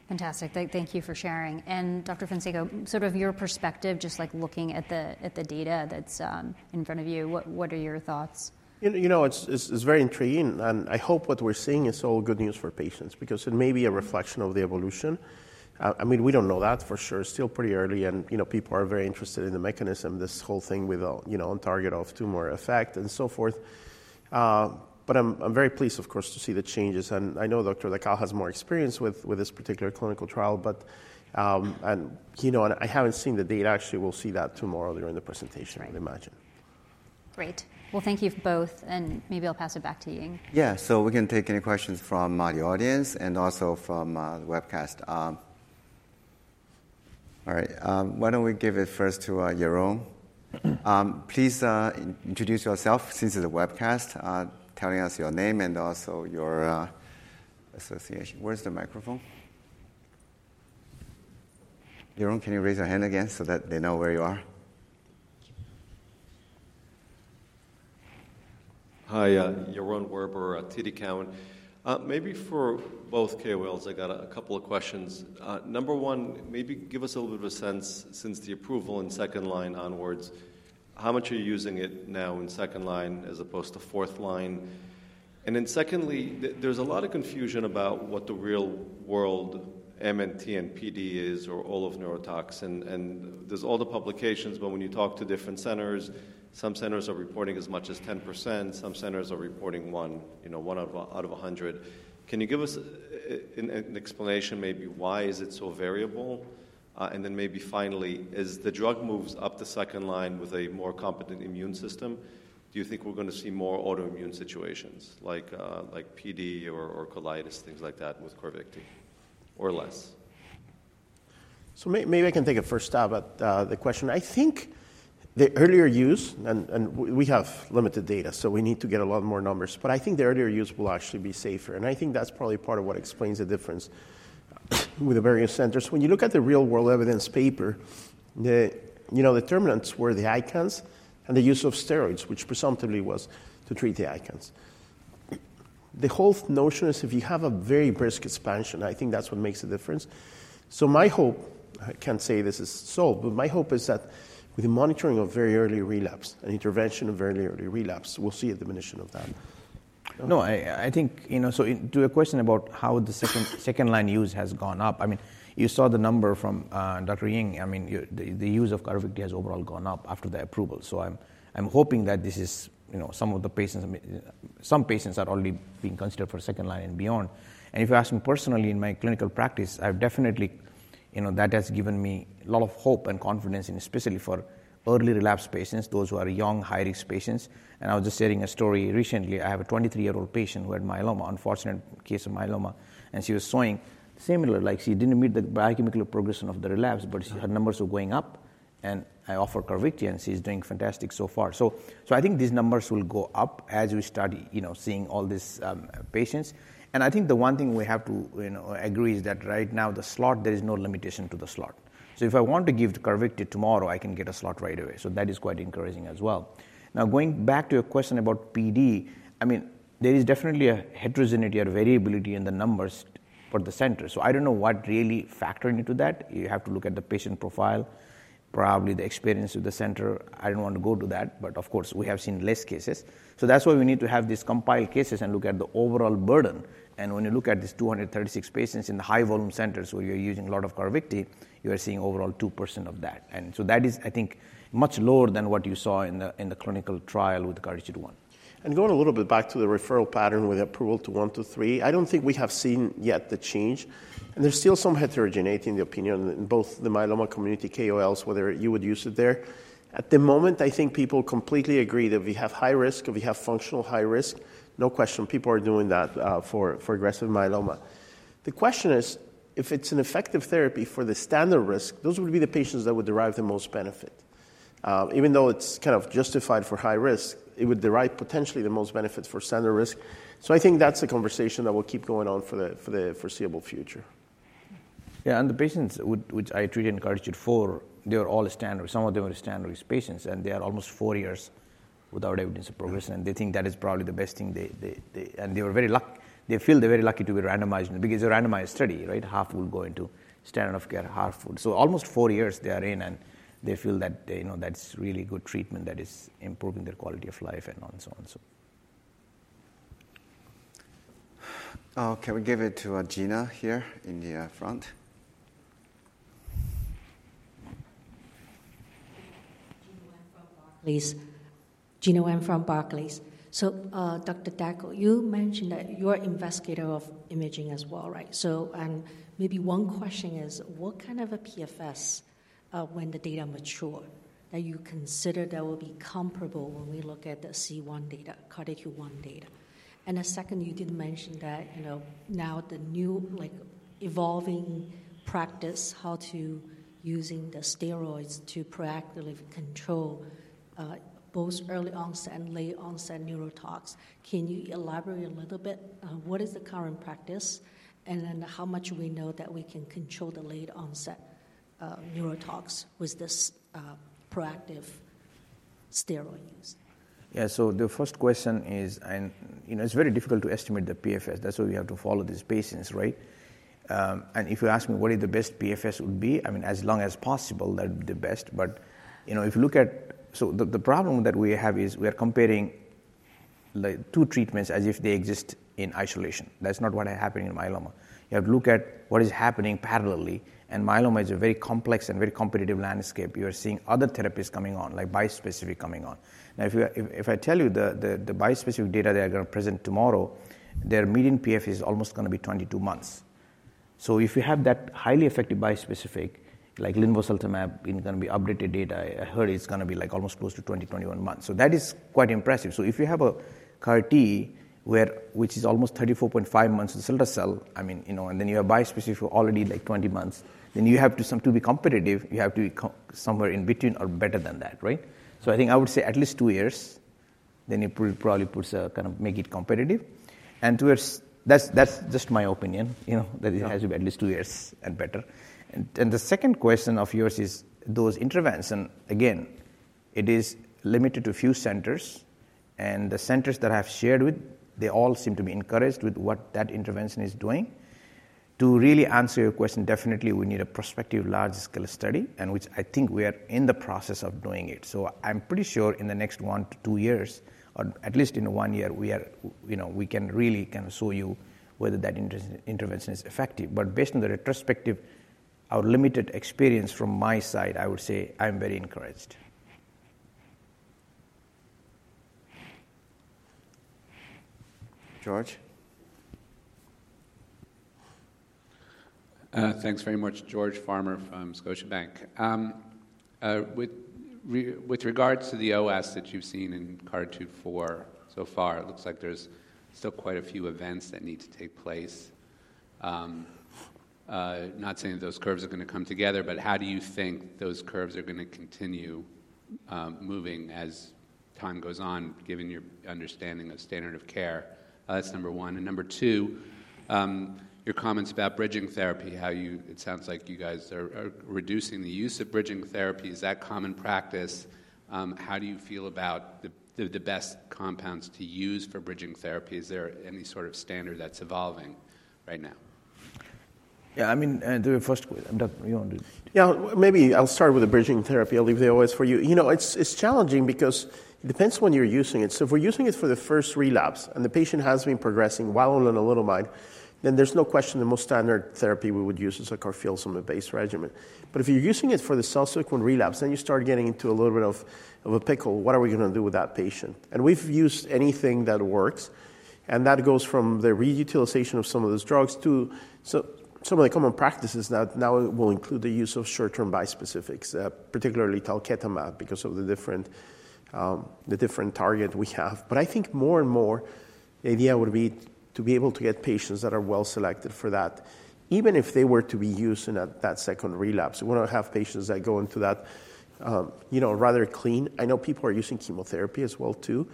Fantastic. Thank you for sharing. And Dr. Fonseca, sort of your perspective, just like looking at the data that's in front of you, what are your thoughts? You know, it's very intriguing. And I hope what we're seeing is all good news for patients because it may be a reflection of the evolution. I mean, we don't know that for sure. It's still pretty early. And people are very interested in the mechanism, this whole thing with on target of tumor effect and so forth. But I'm very pleased, of course, to see the changes. And I know Dr. Dhakal has more experience with this particular clinical trial. And I haven't seen the data. Actually, we'll see that tomorrow during the presentation with iMMagine-1. Great. Well, thank you both. And maybe I'll pass it back to Ying. Yeah. So we can take any questions from the audience and also from the webcast. All right. Why don't we give it first to Yaron. Please introduce yourself since it's a webcast, telling us your name and also your association. Where's the microphone? Yaron, can you raise your hand again so that they know where you are? Hi. Yaron Werber, TD Cowen. Maybe for both KOLs, I've got a couple of questions. Number one, maybe give us a little bit of a sense since the approval in second line onwards, how much are you using it now in second line as opposed to fourth line? And then secondly, there's a lot of confusion about what the real world MNT and PD is or all of neurotoxicity. And there's all the publications. But when you talk to different centers, some centers are reporting as much as 10%. Some centers are reporting 1 out of 100. Can you give us an explanation maybe why is it so variable? And then maybe finally, as the drug moves up the second line with a more competent immune system, do you think we're going to see more autoimmune situations like PD or colitis, things like that with Carvykti or less? So maybe I can take a first stab at the question. I think the earlier use and we have limited data. So we need to get a lot more numbers. But I think the earlier use will actually be safer. And I think that's probably part of what explains the difference with the various centers. When you look at the real-world evidence paper, the incidences were the ICANS and the use of steroids, which presumptively was to treat the ICANS. The whole notion is if you have a very brisk expansion, I think that's what makes the difference. So my hope, I can't say this is solved. But my hope is that with the monitoring of very early relapse and intervention of very early relapse, we'll see a diminution of that. No, I think. So, to a question about how the second line use has gone up, I mean, you saw the number from Dr. Ying. I mean, the use of Carvykti has overall gone up after the approval, so I'm hoping that this is some of the patients are already being considered for second line and beyond, and if you ask me personally in my clinical practice, I've definitely that has given me a lot of hope and confidence, especially for early relapse patients, those who are young high-risk patients, and I was just sharing a story recently. I have a 23-year-old patient who had myeloma, unfortunate case of myeloma, and she was showing similar. She didn't meet the biochemical progression of the relapse, but her numbers were going up, and I offered Carvykti, and she's doing fantastic so far. So I think these numbers will go up as we start seeing all these patients. And I think the one thing we have to agree is that right now, the slot, there is no limitation to the slot. So if I want to give Carvykti tomorrow, I can get a slot right away. So that is quite encouraging as well. Now, going back to your question about PD, I mean, there is definitely a heterogeneity or variability in the numbers for the centers. So I don't know what really factored into that. You have to look at the patient profile, probably the experience with the center. I don't want to go to that. But of course, we have seen less cases. So that's why we need to have these compiled cases and look at the overall burden. And when you look at these 236 patients in the high-volume centers where you're using a lot of Carvykti, you are seeing overall 2% of that. And so that is, I think, much lower than what you saw in the clinical trial with CARTITUDE-1. Going a little bit back to the referral pattern with approval to one to three, I don't think we have seen yet the change. There's still some heterogeneity in the opinion in both the myeloma community KOLs, whether you would use it there. At the moment, I think people completely agree that we have high risk, or we have functional high risk. No question, people are doing that for aggressive myeloma. The question is, if it's an effective therapy for the standard risk, those would be the patients that would derive the most benefit. Even though it's kind of justified for high risk, it would derive potentially the most benefit for standard risk. I think that's a conversation that will keep going on for the foreseeable future. Yeah. And the patients which I treated in CARTITUDE-4, they were all standard. Some of them were standard risk patients. And they are almost four years without evidence of progression. And they think that is probably the best thing. And they were very lucky. They feel they're very lucky to be randomized because it's a randomized study. Half will go into standard of care, half would. So almost four years they are in. And they feel that that's really good treatment that is improving their quality of life and on and so on. Can we give it to Gena here in the front? Gena Wang from Barclays. So Dr. Dhakal, you mentioned that you're an investigator of iMMagine-1 as well. And maybe one question is, what kind of a PFS, when the data mature, that you consider that will be comparable when we look at the CARTITUDE-1 data? And the second, you did mention that now the new evolving practice, how to using the steroids to proactively control both early onset and late onset neurotox. Can you elaborate a little bit? What is the current practice? And then how much do we know that we can control the late onset neurotox with this proactive steroid use? Yeah. So the first question is, it's very difficult to estimate the PFS. That's why we have to follow these patients. And if you ask me what the best PFS would be, I mean, as long as possible, that would be the best. But if you look at, so the problem that we have is we are comparing two treatments as if they exist in isolation. That's not what happened in myeloma. You have to look at what is happening parallelly. And myeloma is a very complex and very competitive landscape. You are seeing other therapies coming on, like bispecific coming on. Now, if I tell you the bispecific data they are going to present tomorrow, their median PFS is almost going to be 22 months. So if you have that highly effective bispecific, like linvoseltamab, going to be updated data, I heard it's going to be almost close to 20-21 months. So that is quite impressive. So if you have a CAR-T, which is almost 34.5 months in cilta-cel, and then you have bispecific already like 20 months, then you have to be competitive. You have to be somewhere in between or better than that. So I think I would say at least two years. Then it probably puts a kind of make it competitive. And two years, that's just my opinion, that it has to be at least two years and better. And the second question of yours is those interventions. And again, it is limited to a few centers. And the centers that I have shared with, they all seem to be encouraged with what that intervention is doing. To really answer your question, definitely we need a prospective large-scale study, which I think we are in the process of doing it. I'm pretty sure in the next one to two years, or at least in one year, we can really kind of show you whether that intervention is effective. But based on the retrospective, our limited experience from my side, I would say I'm very encouraged. George. Thanks very much, George Farmer from Scotiabank. With regards to the OS that you've seen in CARTITUDE-4 so far, it looks like there's still quite a few events that need to take place. Not saying that those curves are going to come together. But how do you think those curves are going to continue moving as time goes on, given your understanding of standard of care? That's number one. And number two, your comments about bridging therapy, how it sounds like you guys are reducing the use of bridging therapy. Is that common practice? How do you feel about the best compounds to use for bridging therapy? Is there any sort of standard that's evolving right now? Yeah. I mean, first, Dr. Yaron. Yeah. Maybe I'll start with the bridging therapy. I'll leave the OS for you. It's challenging because it depends when you're using it. So if we're using it for the first relapse and the patient has been progressing while on lenalidomide, then there's no question the most standard therapy we would use is a carfilzomib-based regimen. But if you're using it for the subsequent relapse, then you start getting into a little bit of a pickle. What are we going to do with that patient? And we've used anything that works. And that goes from the re-utilization of some of those drugs to some of the common practices that now will include the use of short-term bispecifics, particularly talquetamab, because of the different target we have. But I think more and more, the idea would be to be able to get patients that are well selected for that, even if they were to be used in that second relapse. We want to have patients that go into that rather clean. I know people are using chemotherapy as well too,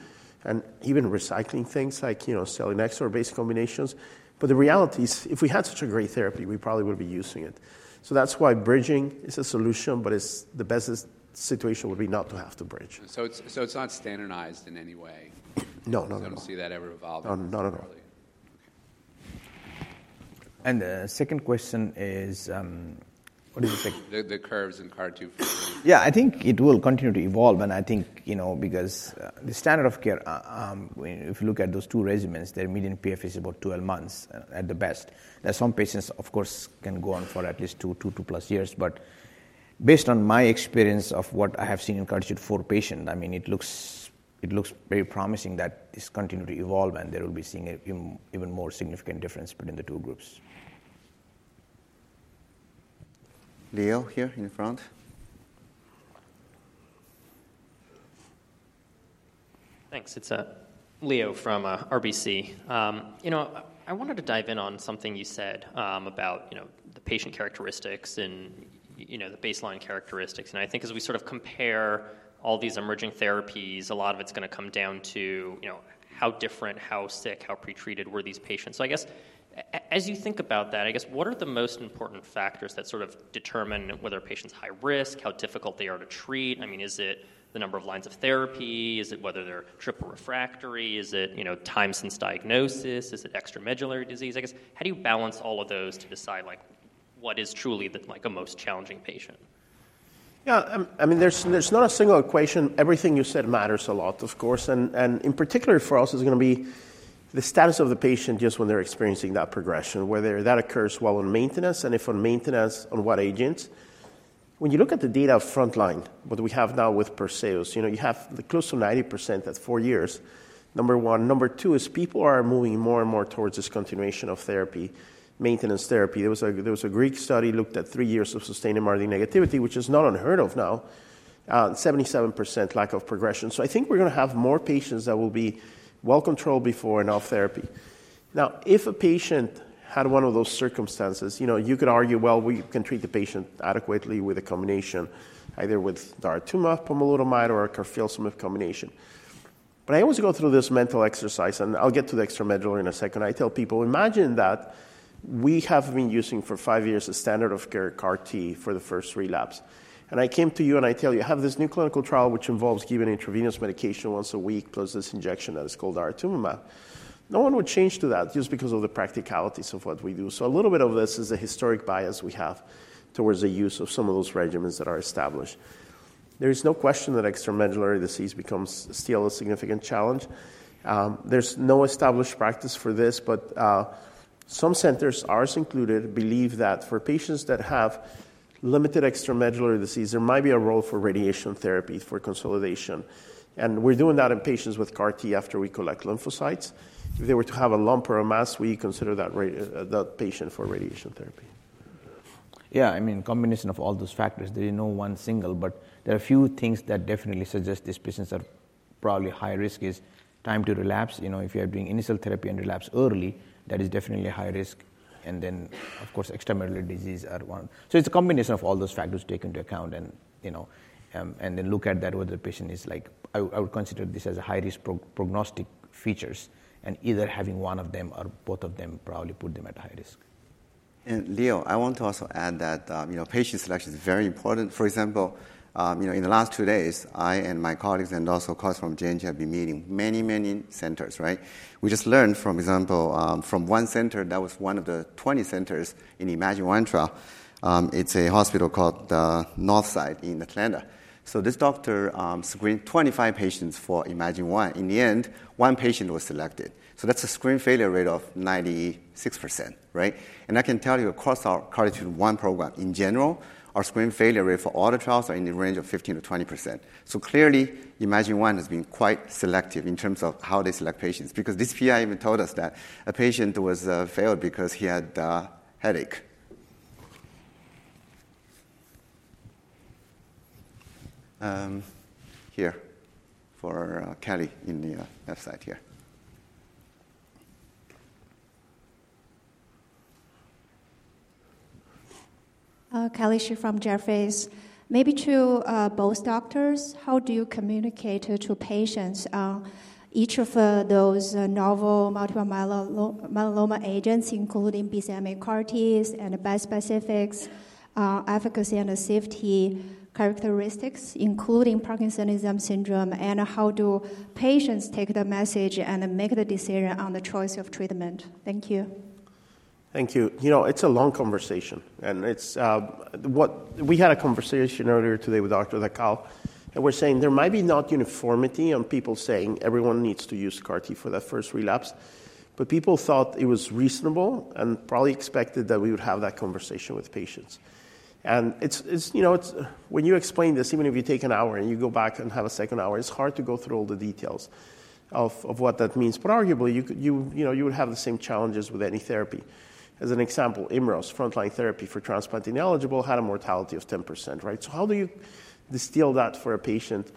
and even recycling things like selinexor-based combinations. But the reality is, if we had such a great therapy, we probably would be using it. So that's why bridging is a solution. But the best situation would be not to have to bridge. So it's not standardized in any way? No. You don't see that ever evolving? No. No. No. The second question is, what do you think? The curves in CARTITUDE-4? Yeah. I think it will continue to evolve, and I think because the standard of care, if you look at those two regimens, their median PFS is about 12 months at the best. Now, some patients, of course, can go on for at least two, two-plus years, but based on my experience of what I have seen in CARTITUDE-4 patients, I mean, it looks very promising that this continues to evolve, and there will be seeing even more significant difference between the two groups. Leo here in front. Thanks. It's Leo from RBC. I wanted to dive in on something you said about the patient characteristics and the baseline characteristics. I think as we sort of compare all these emerging therapies, a lot of it's going to come down to how different, how sick, how pretreated were these patients? So I guess as you think about that, I guess what are the most important factors that sort of determine whether a patient's high risk, how difficult they are to treat? I mean, is it the number of lines of therapy? Is it whether they're triple refractory? Is it time since diagnosis? Is it extramedullary disease? I guess how do you balance all of those to decide what is truly the most challenging patient? Yeah. I mean, there's not a single equation. Everything you said matters a lot, of course. And in particular for us, it's going to be the status of the patient just when they're experiencing that progression, whether that occurs while on maintenance and if on maintenance, on what agents. When you look at the data front line, what we have now with PERSEUS, you have close to 90% at four years, number one. Number two is people are moving more and more towards this continuation of therapy, maintenance therapy. There was a Greek study that looked at three years of sustained MRD negativity, which is not unheard of now, 77% lack of progression. So I think we're going to have more patients that will be well controlled before and off therapy. Now, if a patient had one of those circumstances, you could argue, well, we can treat the patient adequately with a combination, either with daratumumab, pomalidomide, or a carfilzomib combination. But I always go through this mental exercise. And I'll get to the extramedullary in a second. I tell people, imagine that we have been using for five years a standard of care CAR-T for the first relapse. And I came to you, and I tell you, I have this new clinical trial which involves giving intravenous medication once a week plus this injection that is called daratumumab. No one would change to that just because of the practicalities of what we do. So a little bit of this is a historic bias we have towards the use of some of those regimens that are established. There is no question that extramedullary disease becomes still a significant challenge. There's no established practice for this. Some centers, ours included, believe that for patients that have limited extramedullary disease, there might be a role for radiation therapy for consolidation. We're doing that in patients with CAR-T after we collect lymphocytes. If they were to have a lump or a mass, we consider that patient for radiation therapy. Yeah. I mean, combination of all those factors, there is no one single. But there are a few things that definitely suggest these patients are probably high risk is time to relapse. If you are doing initial therapy and relapse early, that is definitely high risk. And then, of course, extramedullary disease are one. So it's a combination of all those factors taken into account. And then look at that, whether the patient is like I would consider this as high-risk prognostic features. And either having one of them or both of them probably put them at high risk. And Leo, I want to also add that patient selection is very important. For example, in the last two days, I and my colleagues and also colleagues from J&J have been meeting many, many centers. We just learned, for example, from one center that was one of the 20 centers in iMMagine-1 trial. It's a hospital called Northside in Atlanta. So this doctor screened 25 patients for iMMagine-1. In the end, one patient was selected. So that's a screen failure rate of 96%. And I can tell you, across our CARTITUDE-1 program, in general, our screen failure rate for all the trials is in the range of 15%-20%. So clearly, iMMagine-1 has been quite selective in terms of how they select patients. Because this PI even told us that a patient was failed because he had a headache. Here for Kelly in the left side here. Kelly Shi from Jefferies. Maybe to both doctors, how do you communicate to patients each of those novel multiple myeloma agents, including BCMA CAR-Ts and bispecifics, efficacy and safety characteristics, including parkinsonism syndrome? And how do patients take the message and make the decision on the choice of treatment? Thank you. Thank you. It's a long conversation, and we had a conversation earlier today with Dr. Dhakal, and we're saying there might be not uniformity on people saying everyone needs to use CAR-T for that first relapse, but people thought it was reasonable and probably expected that we would have that conversation with patients. And when you explain this, even if you take an hour and you go back and have a second hour, it's hard to go through all the details of what that means, but arguably, you would have the same challenges with any therapy. As an example, IMROZ, frontline therapy for transplant-ineligible, had a mortality of 10%. So how do you distill that for a patient?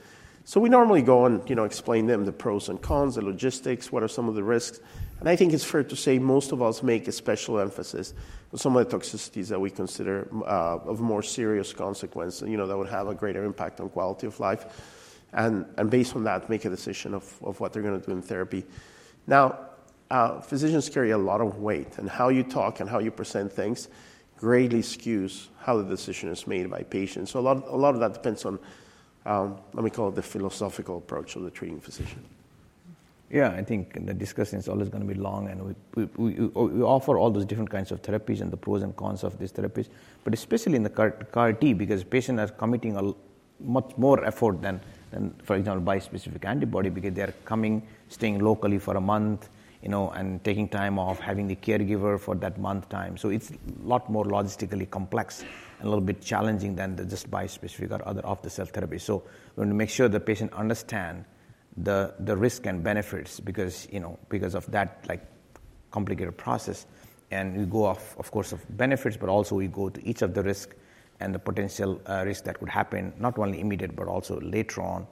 So we normally go and explain to them the pros and cons, the logistics, what are some of the risks. And I think it's fair to say most of us make a special emphasis on some of the toxicities that we consider of more serious consequence that would have a greater impact on quality of life. And based on that, make a decision of what they're going to do in therapy. Now, physicians carry a lot of weight. And how you talk and how you present things greatly skews how the decision is made by patients. So a lot of that depends on, let me call it, the philosophical approach of the treating physician. Yeah. I think the discussion is always going to be long. We offer all those different kinds of therapies and the pros and cons of these therapies, but especially in the CAR-T, because the patient is committing much more effort than, for example, bispecific antibody, because they are coming, staying locally for a month, and taking time off, having the caregiver for that month time. It's a lot more logistically complex and a little bit challenging than the just bispecific or other off-the-shelf therapies. We want to make sure the patient understands the risk and benefits because of that complicated process. We go off, of course, of benefits, but also we go to each of the risks and the potential risks that could happen, not only immediate, but also later on.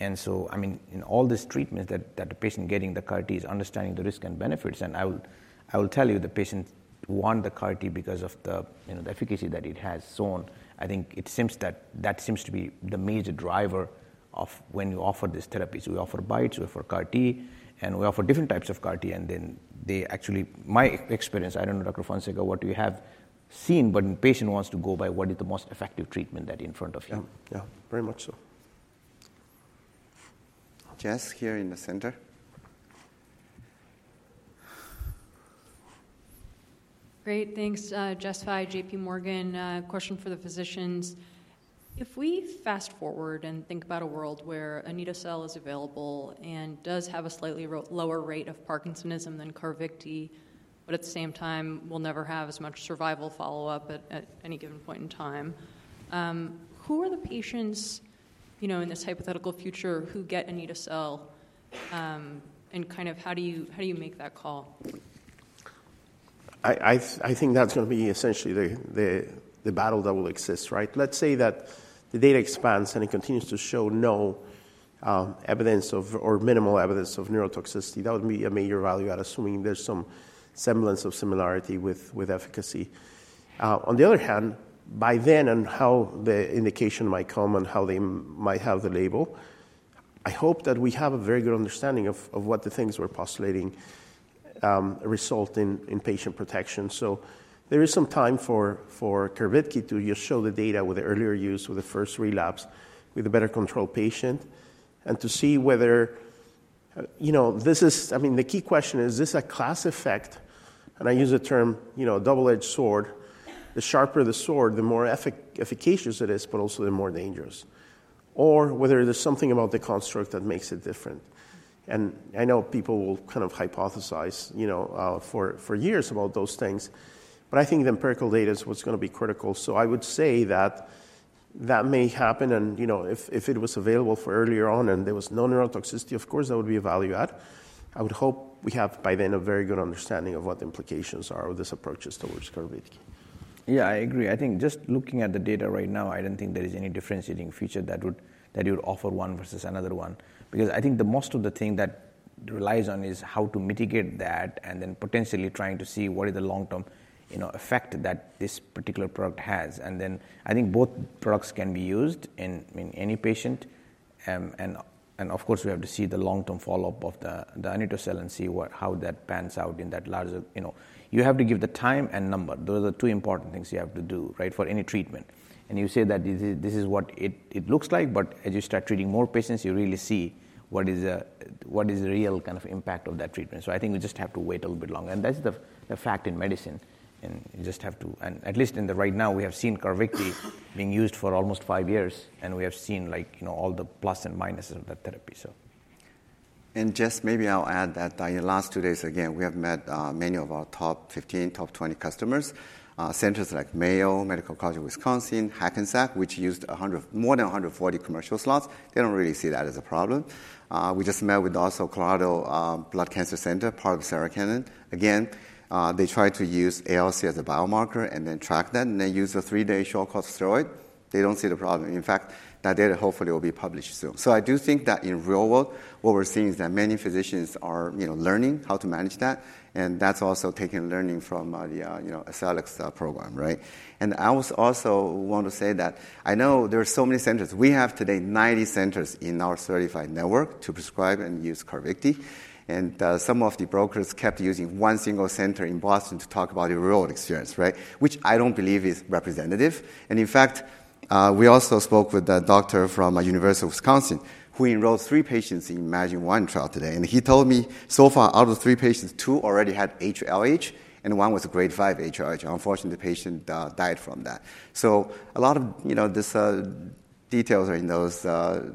And so, I mean, in all these treatments that the patient is getting, the patient is understanding the risks and benefits. And I will tell you, the patients want the CAR-T because of the efficacy that it has. So I think it seems to be the major driver of when you offer these therapies. We offer BiTEs. We offer CAR-T. And we offer different types of CAR-T. And then actually, my experience, I don't know, Dr. Fonseca, what you have seen. But the patient wants to go by what is the most effective treatment that is in front of him. Yeah. Very much so. Jess here in the center. Great. Thanks, Jessica Fye, J.P. Morgan. Question for the physicians. If we fast forward and think about a world where an anito-cel is available and does have a slightly lower rate of parkinsonism than Carvykti, but at the same time will never have as much survival follow-up at any given point in time, who are the patients in this hypothetical future who get an anito-cel? And kind of how do you make that call? I think that's going to be essentially the battle that will exist. Let's say that the data expands and it continues to show no evidence or minimal evidence of neurotoxicity. That would be a major value add, assuming there's some semblance of similarity with efficacy. On the other hand, by then and how the indication might come and how they might have the label, I hope that we have a very good understanding of what the things we're postulating result in in patient protection. So there is some time for Carvykti to just show the data with the earlier use with the first relapse with a better-controlled patient and to see whether this is, I mean, the key question is, is this a class effect? And I use the term double-edged sword. The sharper the sword, the more efficacious it is, but also the more dangerous. Or whether there's something about the construct that makes it different. And I know people will kind of hypothesize for years about those things. But I think the empirical data is what's going to be critical. So I would say that that may happen. And if it was available for earlier on and there was no neurotoxicity, of course, that would be a value add. I would hope we have, by then, a very good understanding of what the implications are of these approaches towards Carvykti. Yeah. I agree. I think just looking at the data right now, I don't think there is any differentiating feature that would offer one versus another one. Because I think most of the thing that relies on is how to mitigate that and then potentially trying to see what is the long-term effect that this particular product has. And then I think both products can be used in any patient. And of course, we have to see the long-term follow-up of the anito-cel and see how that pans out in that larger. You have to give the time and number. Those are the two important things you have to do for any treatment. And you say that this is what it looks like. But as you start treating more patients, you really see what is the real kind of impact of that treatment. So I think we just have to wait a little bit longer. And that's the fact in medicine. And you just have to, at least right now, we have seen Carvykti being used for almost five years. And we have seen all the plus and minuses of that therapy. Jess, maybe I'll add that in the last two days, again, we have met many of our top 15, top 20 customers, centers like Mayo, Medical College of Wisconsin, Hackensack, which used more than 140 commercial slots. They don't really see that as a problem. We just met with also Colorado Blood Cancer Center, part of the Sarah Cannon. Again, they try to use ALC as a biomarker and then track that and then use a three-day short course of steroid. They don't see the problem. In fact, that data hopefully will be published soon. So I do think that in real world, what we're seeing is that many physicians are learning how to manage that. And that's also taking learning from the selinexor program. And I also want to say that I know there are so many centers. We have today 90 centers in our certified network to prescribe and use Carvykti. Some of the brokers kept using one single center in Boston to talk about the real-world experience, which I don't believe is representative. In fact, we also spoke with a doctor from the University of Wisconsin who enrolled three patients in the iMMagine-1 trial today. He told me, so far, out of the three patients, two already had HLH, and one was a grade 5 HLH. Unfortunately, the patient died from that. A lot of these details in those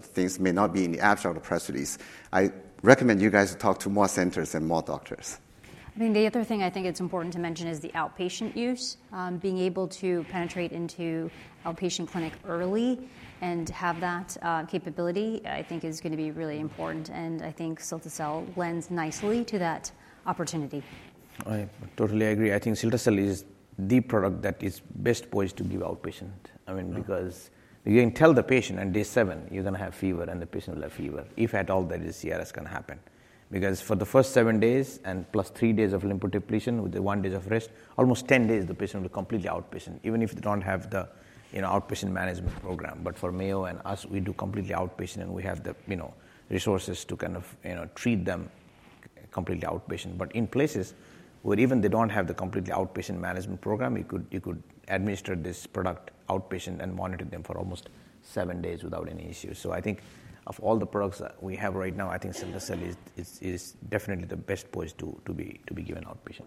things may not be in the abstract or posters. I recommend you guys talk to more centers and more doctors. I think the other thing I think it's important to mention is the outpatient use. Being able to penetrate into outpatient clinic early and have that capability, I think, is going to be really important. And I think cilta-cel lends nicely to that opportunity. I totally agree. I think cilta-cel is the product that is best poised to give outpatient. I mean, because you can tell the patient on day seven, you're going to have fever, and the patient will have fever. If at all, that is CRS going to happen. Because for the first seven days and plus three days of lymphodepletion with the one day of rest, almost 10 days, the patient will be completely outpatient, even if they don't have the outpatient management program. But for Mayo and us, we do completely outpatient, and we have the resources to kind of treat them completely outpatient. But in places where even they don't have the completely outpatient management program, you could administer this product outpatient and monitor them for almost seven days without any issues. So, I think of all the products we have right now, I think cilta-cel is definitely the best poised to be given outpatient.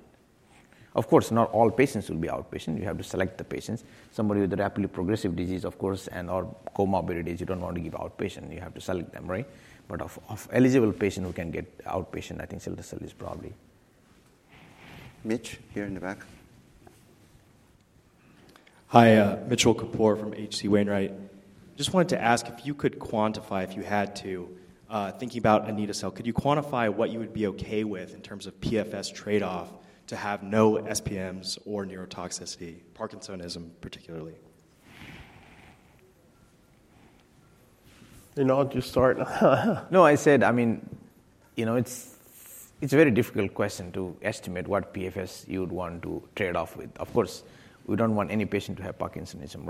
Of course, not all patients will be outpatient. You have to select the patients. Somebody with a rapidly progressive disease, of course, and or comorbidities, you don't want to give outpatient. You have to select them. But of eligible patients who can get outpatient, I think cilta-cel is probably. Mitch here in the back. Hi. Mitchell Kapoor from H.C. Wainwright. Just wanted to ask if you could quantify, if you had to, thinking about anito-cel, could you quantify what you would be OK with in terms of PFS trade-off to have no SPMs or neurotoxicity, parkinsonism particularly? I'll just start. No. I said, I mean, it's a very difficult question to estimate what PFS you would want to trade off with. Of course, we don't want any patient to have parkinsonism,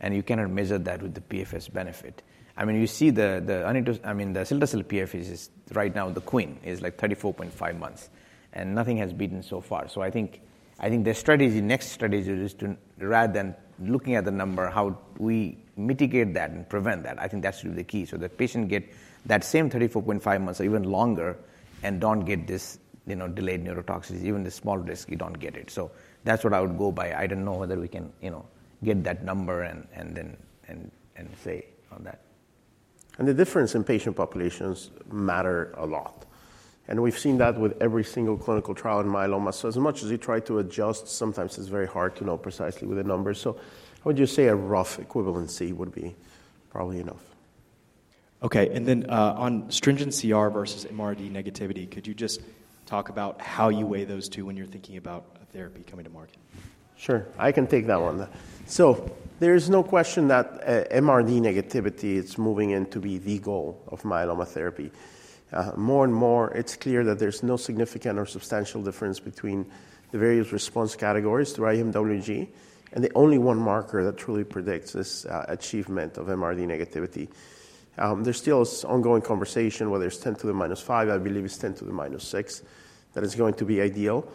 and you cannot measure that with the PFS benefit. I mean, you see the cilta-cel PFS is right now the queen, is like 34.5 months, and nothing has beaten so far. So I think the next strategy is to, rather than looking at the number, how we mitigate that and prevent that. I think that's really the key. So the patient get that same 34.5 months or even longer and don't get this delayed neurotoxicity. Even the small risk, you don't get it. So that's what I would go by. I don't know whether we can get that number and then say on that. The difference in patient populations matter a lot. We've seen that with every single clinical trial in myeloma. As much as you try to adjust, sometimes it's very hard to know precisely with the numbers. I would just say a rough equivalency would be probably enough. OK, and then on stringent CR versus MRD negativity, could you just talk about how you weigh those two when you're thinking about a therapy coming to market? Sure. I can take that one. So there is no question that MRD negativity is moving in to be the goal of myeloma therapy. More and more, it's clear that there's no significant or substantial difference between the various response categories to IMWG. And the only one marker that truly predicts this achievement of MRD negativity, there's still this ongoing conversation whether it's 10 to the minus 5. I believe it's 10 to the minus 6 that is going to be ideal.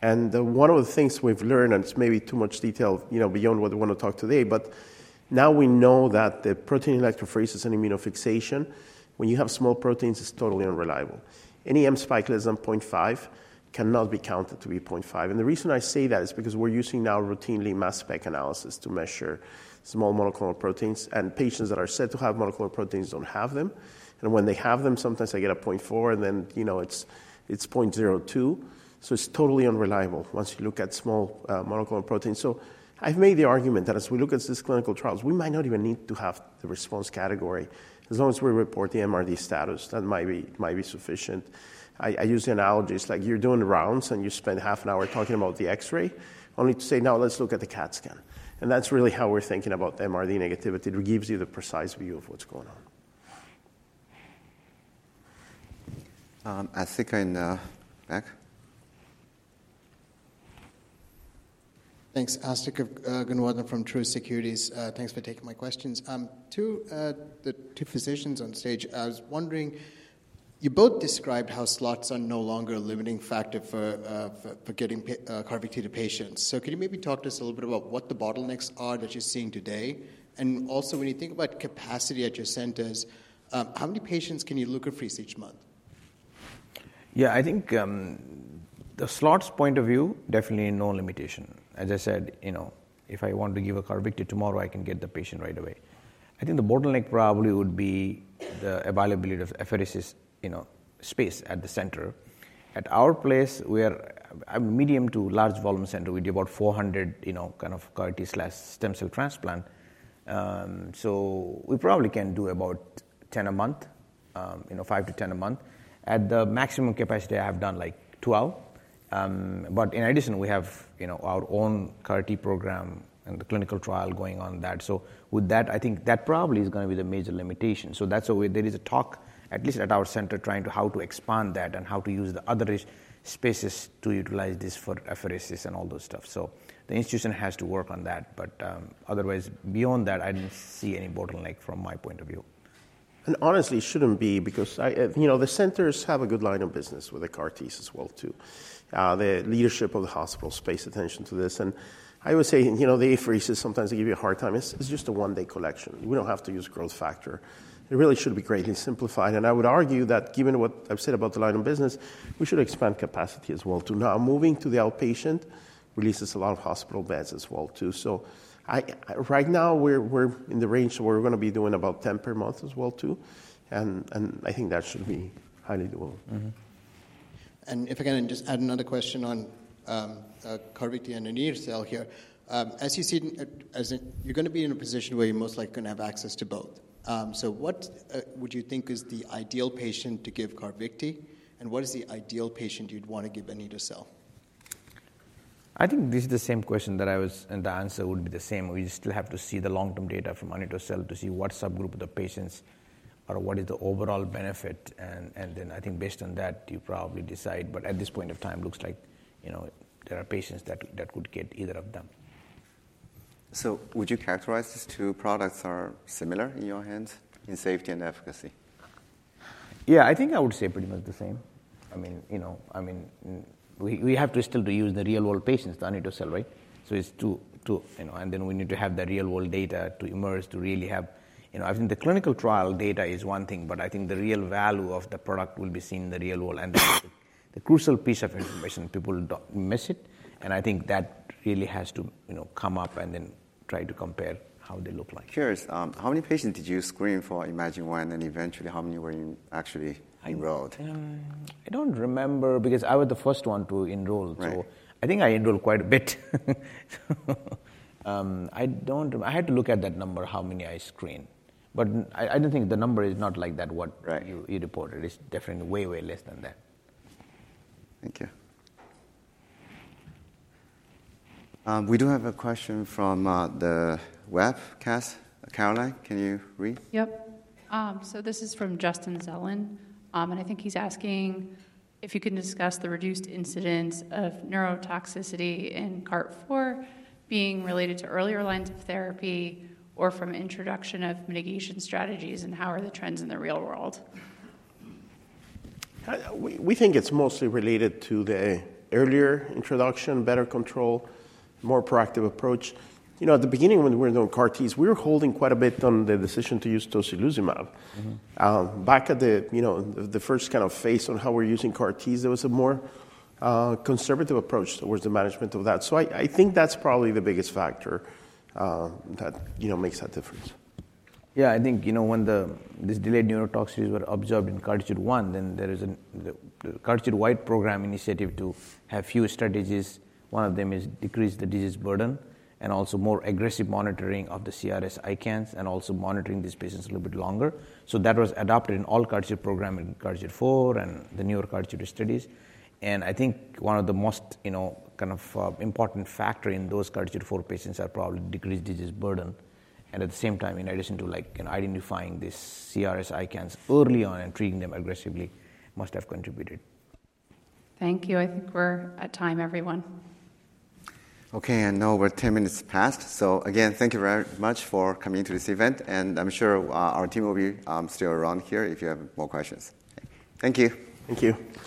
And one of the things we've learned, and it's maybe too much detail beyond what we want to talk today, but now we know that the protein electrophoresis and immunofixation, when you have small proteins, is totally unreliable. Any M-spike less than 0.5 cannot be counted to be 0.5. The reason I say that is because we're using now routinely mass spec analysis to measure small monoclonal proteins. Patients that are said to have monoclonal proteins don't have them. When they have them, sometimes they get a 0.4, and then it's 0.02. It's totally unreliable once you look at small monoclonal proteins. I've made the argument that as we look at these clinical trials, we might not even need to have the response category. As long as we report the MRD status, that might be sufficient. I use the analogy like you're doing rounds, and you spend half an hour talking about the X-ray, only to say, now let's look at the CAT scan. That's really how we're thinking about MRD negativity. It gives you the precise view of what's going on. Asthika in the back. Thanks. Asthika Goonewardene from Truist Securities. Thanks for taking my questions. To the two physicians on stage, I was wondering, you both described how slots are no longer a limiting factor for getting Carvykti to patients. So could you maybe talk to us a little bit about what the bottlenecks are that you're seeing today? And also, when you think about capacity at your centers, how many patients can you leukapheresis each month? Yeah. I think the slots point of view, definitely no limitation. As I said, if I want to give a Carvykti tomorrow, I can get the patient right away. I think the bottleneck probably would be the availability of apheresis space at the center. At our place, we are a medium to large volume center. We do about 400 kind of Carvykti/stem cell transplant. So we probably can do about 10 a month, five to 10 a month. At the maximum capacity, I have done like 12. But in addition, we have our own Carvykti program and the clinical trial going on that. So with that, I think that probably is going to be the major limitation. So that's why there is a talk, at least at our center, trying to how to expand that and how to use the other spaces to utilize this for leukapheresis and all those stuff. So the institution has to work on that. But otherwise, beyond that, I don't see any bottleneck from my point of view. Honestly, it shouldn't be because the centers have a good line of business with the Carvykti as well too. The leadership of the hospital pays attention to this. I would say the leukapheresis sometimes give you a hard time. It's just a one-day collection. We don't have to use growth factor. It really should be greatly simplified. I would argue that given what I've said about the line of business, we should expand capacity as well too. Now, moving to the outpatient releases a lot of hospital beds as well too. Right now, we're in the range where we're going to be doing about 10 per month as well too. I think that should be highly doable. And if I can just add another question on Carvykti and anito-cel here. As you said, you're going to be in a position where you're most likely going to have access to both. So what would you think is the ideal patient to give Carvykti? And what is the ideal patient you'd want to give anito-cel? I think this is the same question that I was, and the answer would be the same. We still have to see the long-term data from anito-cel to see what subgroup of the patients or what is the overall benefit, and then I think based on that, you probably decide, but at this point of time, it looks like there are patients that would get either of them. So would you characterize these two products are similar in your hands in safety and efficacy? Yeah. I think I would say pretty much the same. I mean, we have to still use the real-world patients, the anito-cel, right? So it's two. And then we need to have the real-world data to emerge to really have. I think the clinical trial data is one thing. But I think the real value of the product will be seen in the real world. And the crucial piece of information, people don't miss it. And I think that really has to come up and then try to compare how they look like. Curious, how many patients did you screen for iMMagine-1? And eventually, how many were you actually enrolled? I don't remember because I was the first one to enroll. So I think I enrolled quite a bit. I had to look at that number, how many I screened. But I don't think the number is not like that, what you reported. It's definitely way, way less than that. Thank you. We do have a question from the webcast. Caroline, can you read? Yep. So this is from Justin Zelin. And I think he's asking if you can discuss the reduced incidence of neurotoxicity in CARTITUDE-4 being related to earlier lines of therapy or from introduction of mitigation strategies. And how are the trends in the real world? We think it's mostly related to the earlier introduction, better control, more proactive approach. At the beginning, when we were doing Carvykti, we were holding quite a bit on the decision to use tocilizumab. Back at the first kind of phase on how we're using Carvykti, there was a more conservative approach towards the management of that. So I think that's probably the biggest factor that makes that difference. Yeah. I think when these delayed neurotoxicities were observed in CARTITUDE-1, then there is a CAR-T wide program initiative to have fewer strategies. One of them is decrease the disease burden and also more aggressive monitoring of the CRS ICANS and also monitoring these patients a little bit longer. So that was adopted in all CAR-T program in CARTITUDE-4 and the newer CAR-T studies. And I think one of the most kind of important factors in those CARTITUDE-4 patients are probably decreased disease burden. And at the same time, in addition to identifying these CRS ICANS early on and treating them aggressively, must have contributed. Thank you. I think we're at time, everyone. OK. And now we're 10 minutes past. So again, thank you very much for coming to this event. And I'm sure our team will be still around here if you have more questions. Thank you. Thank you.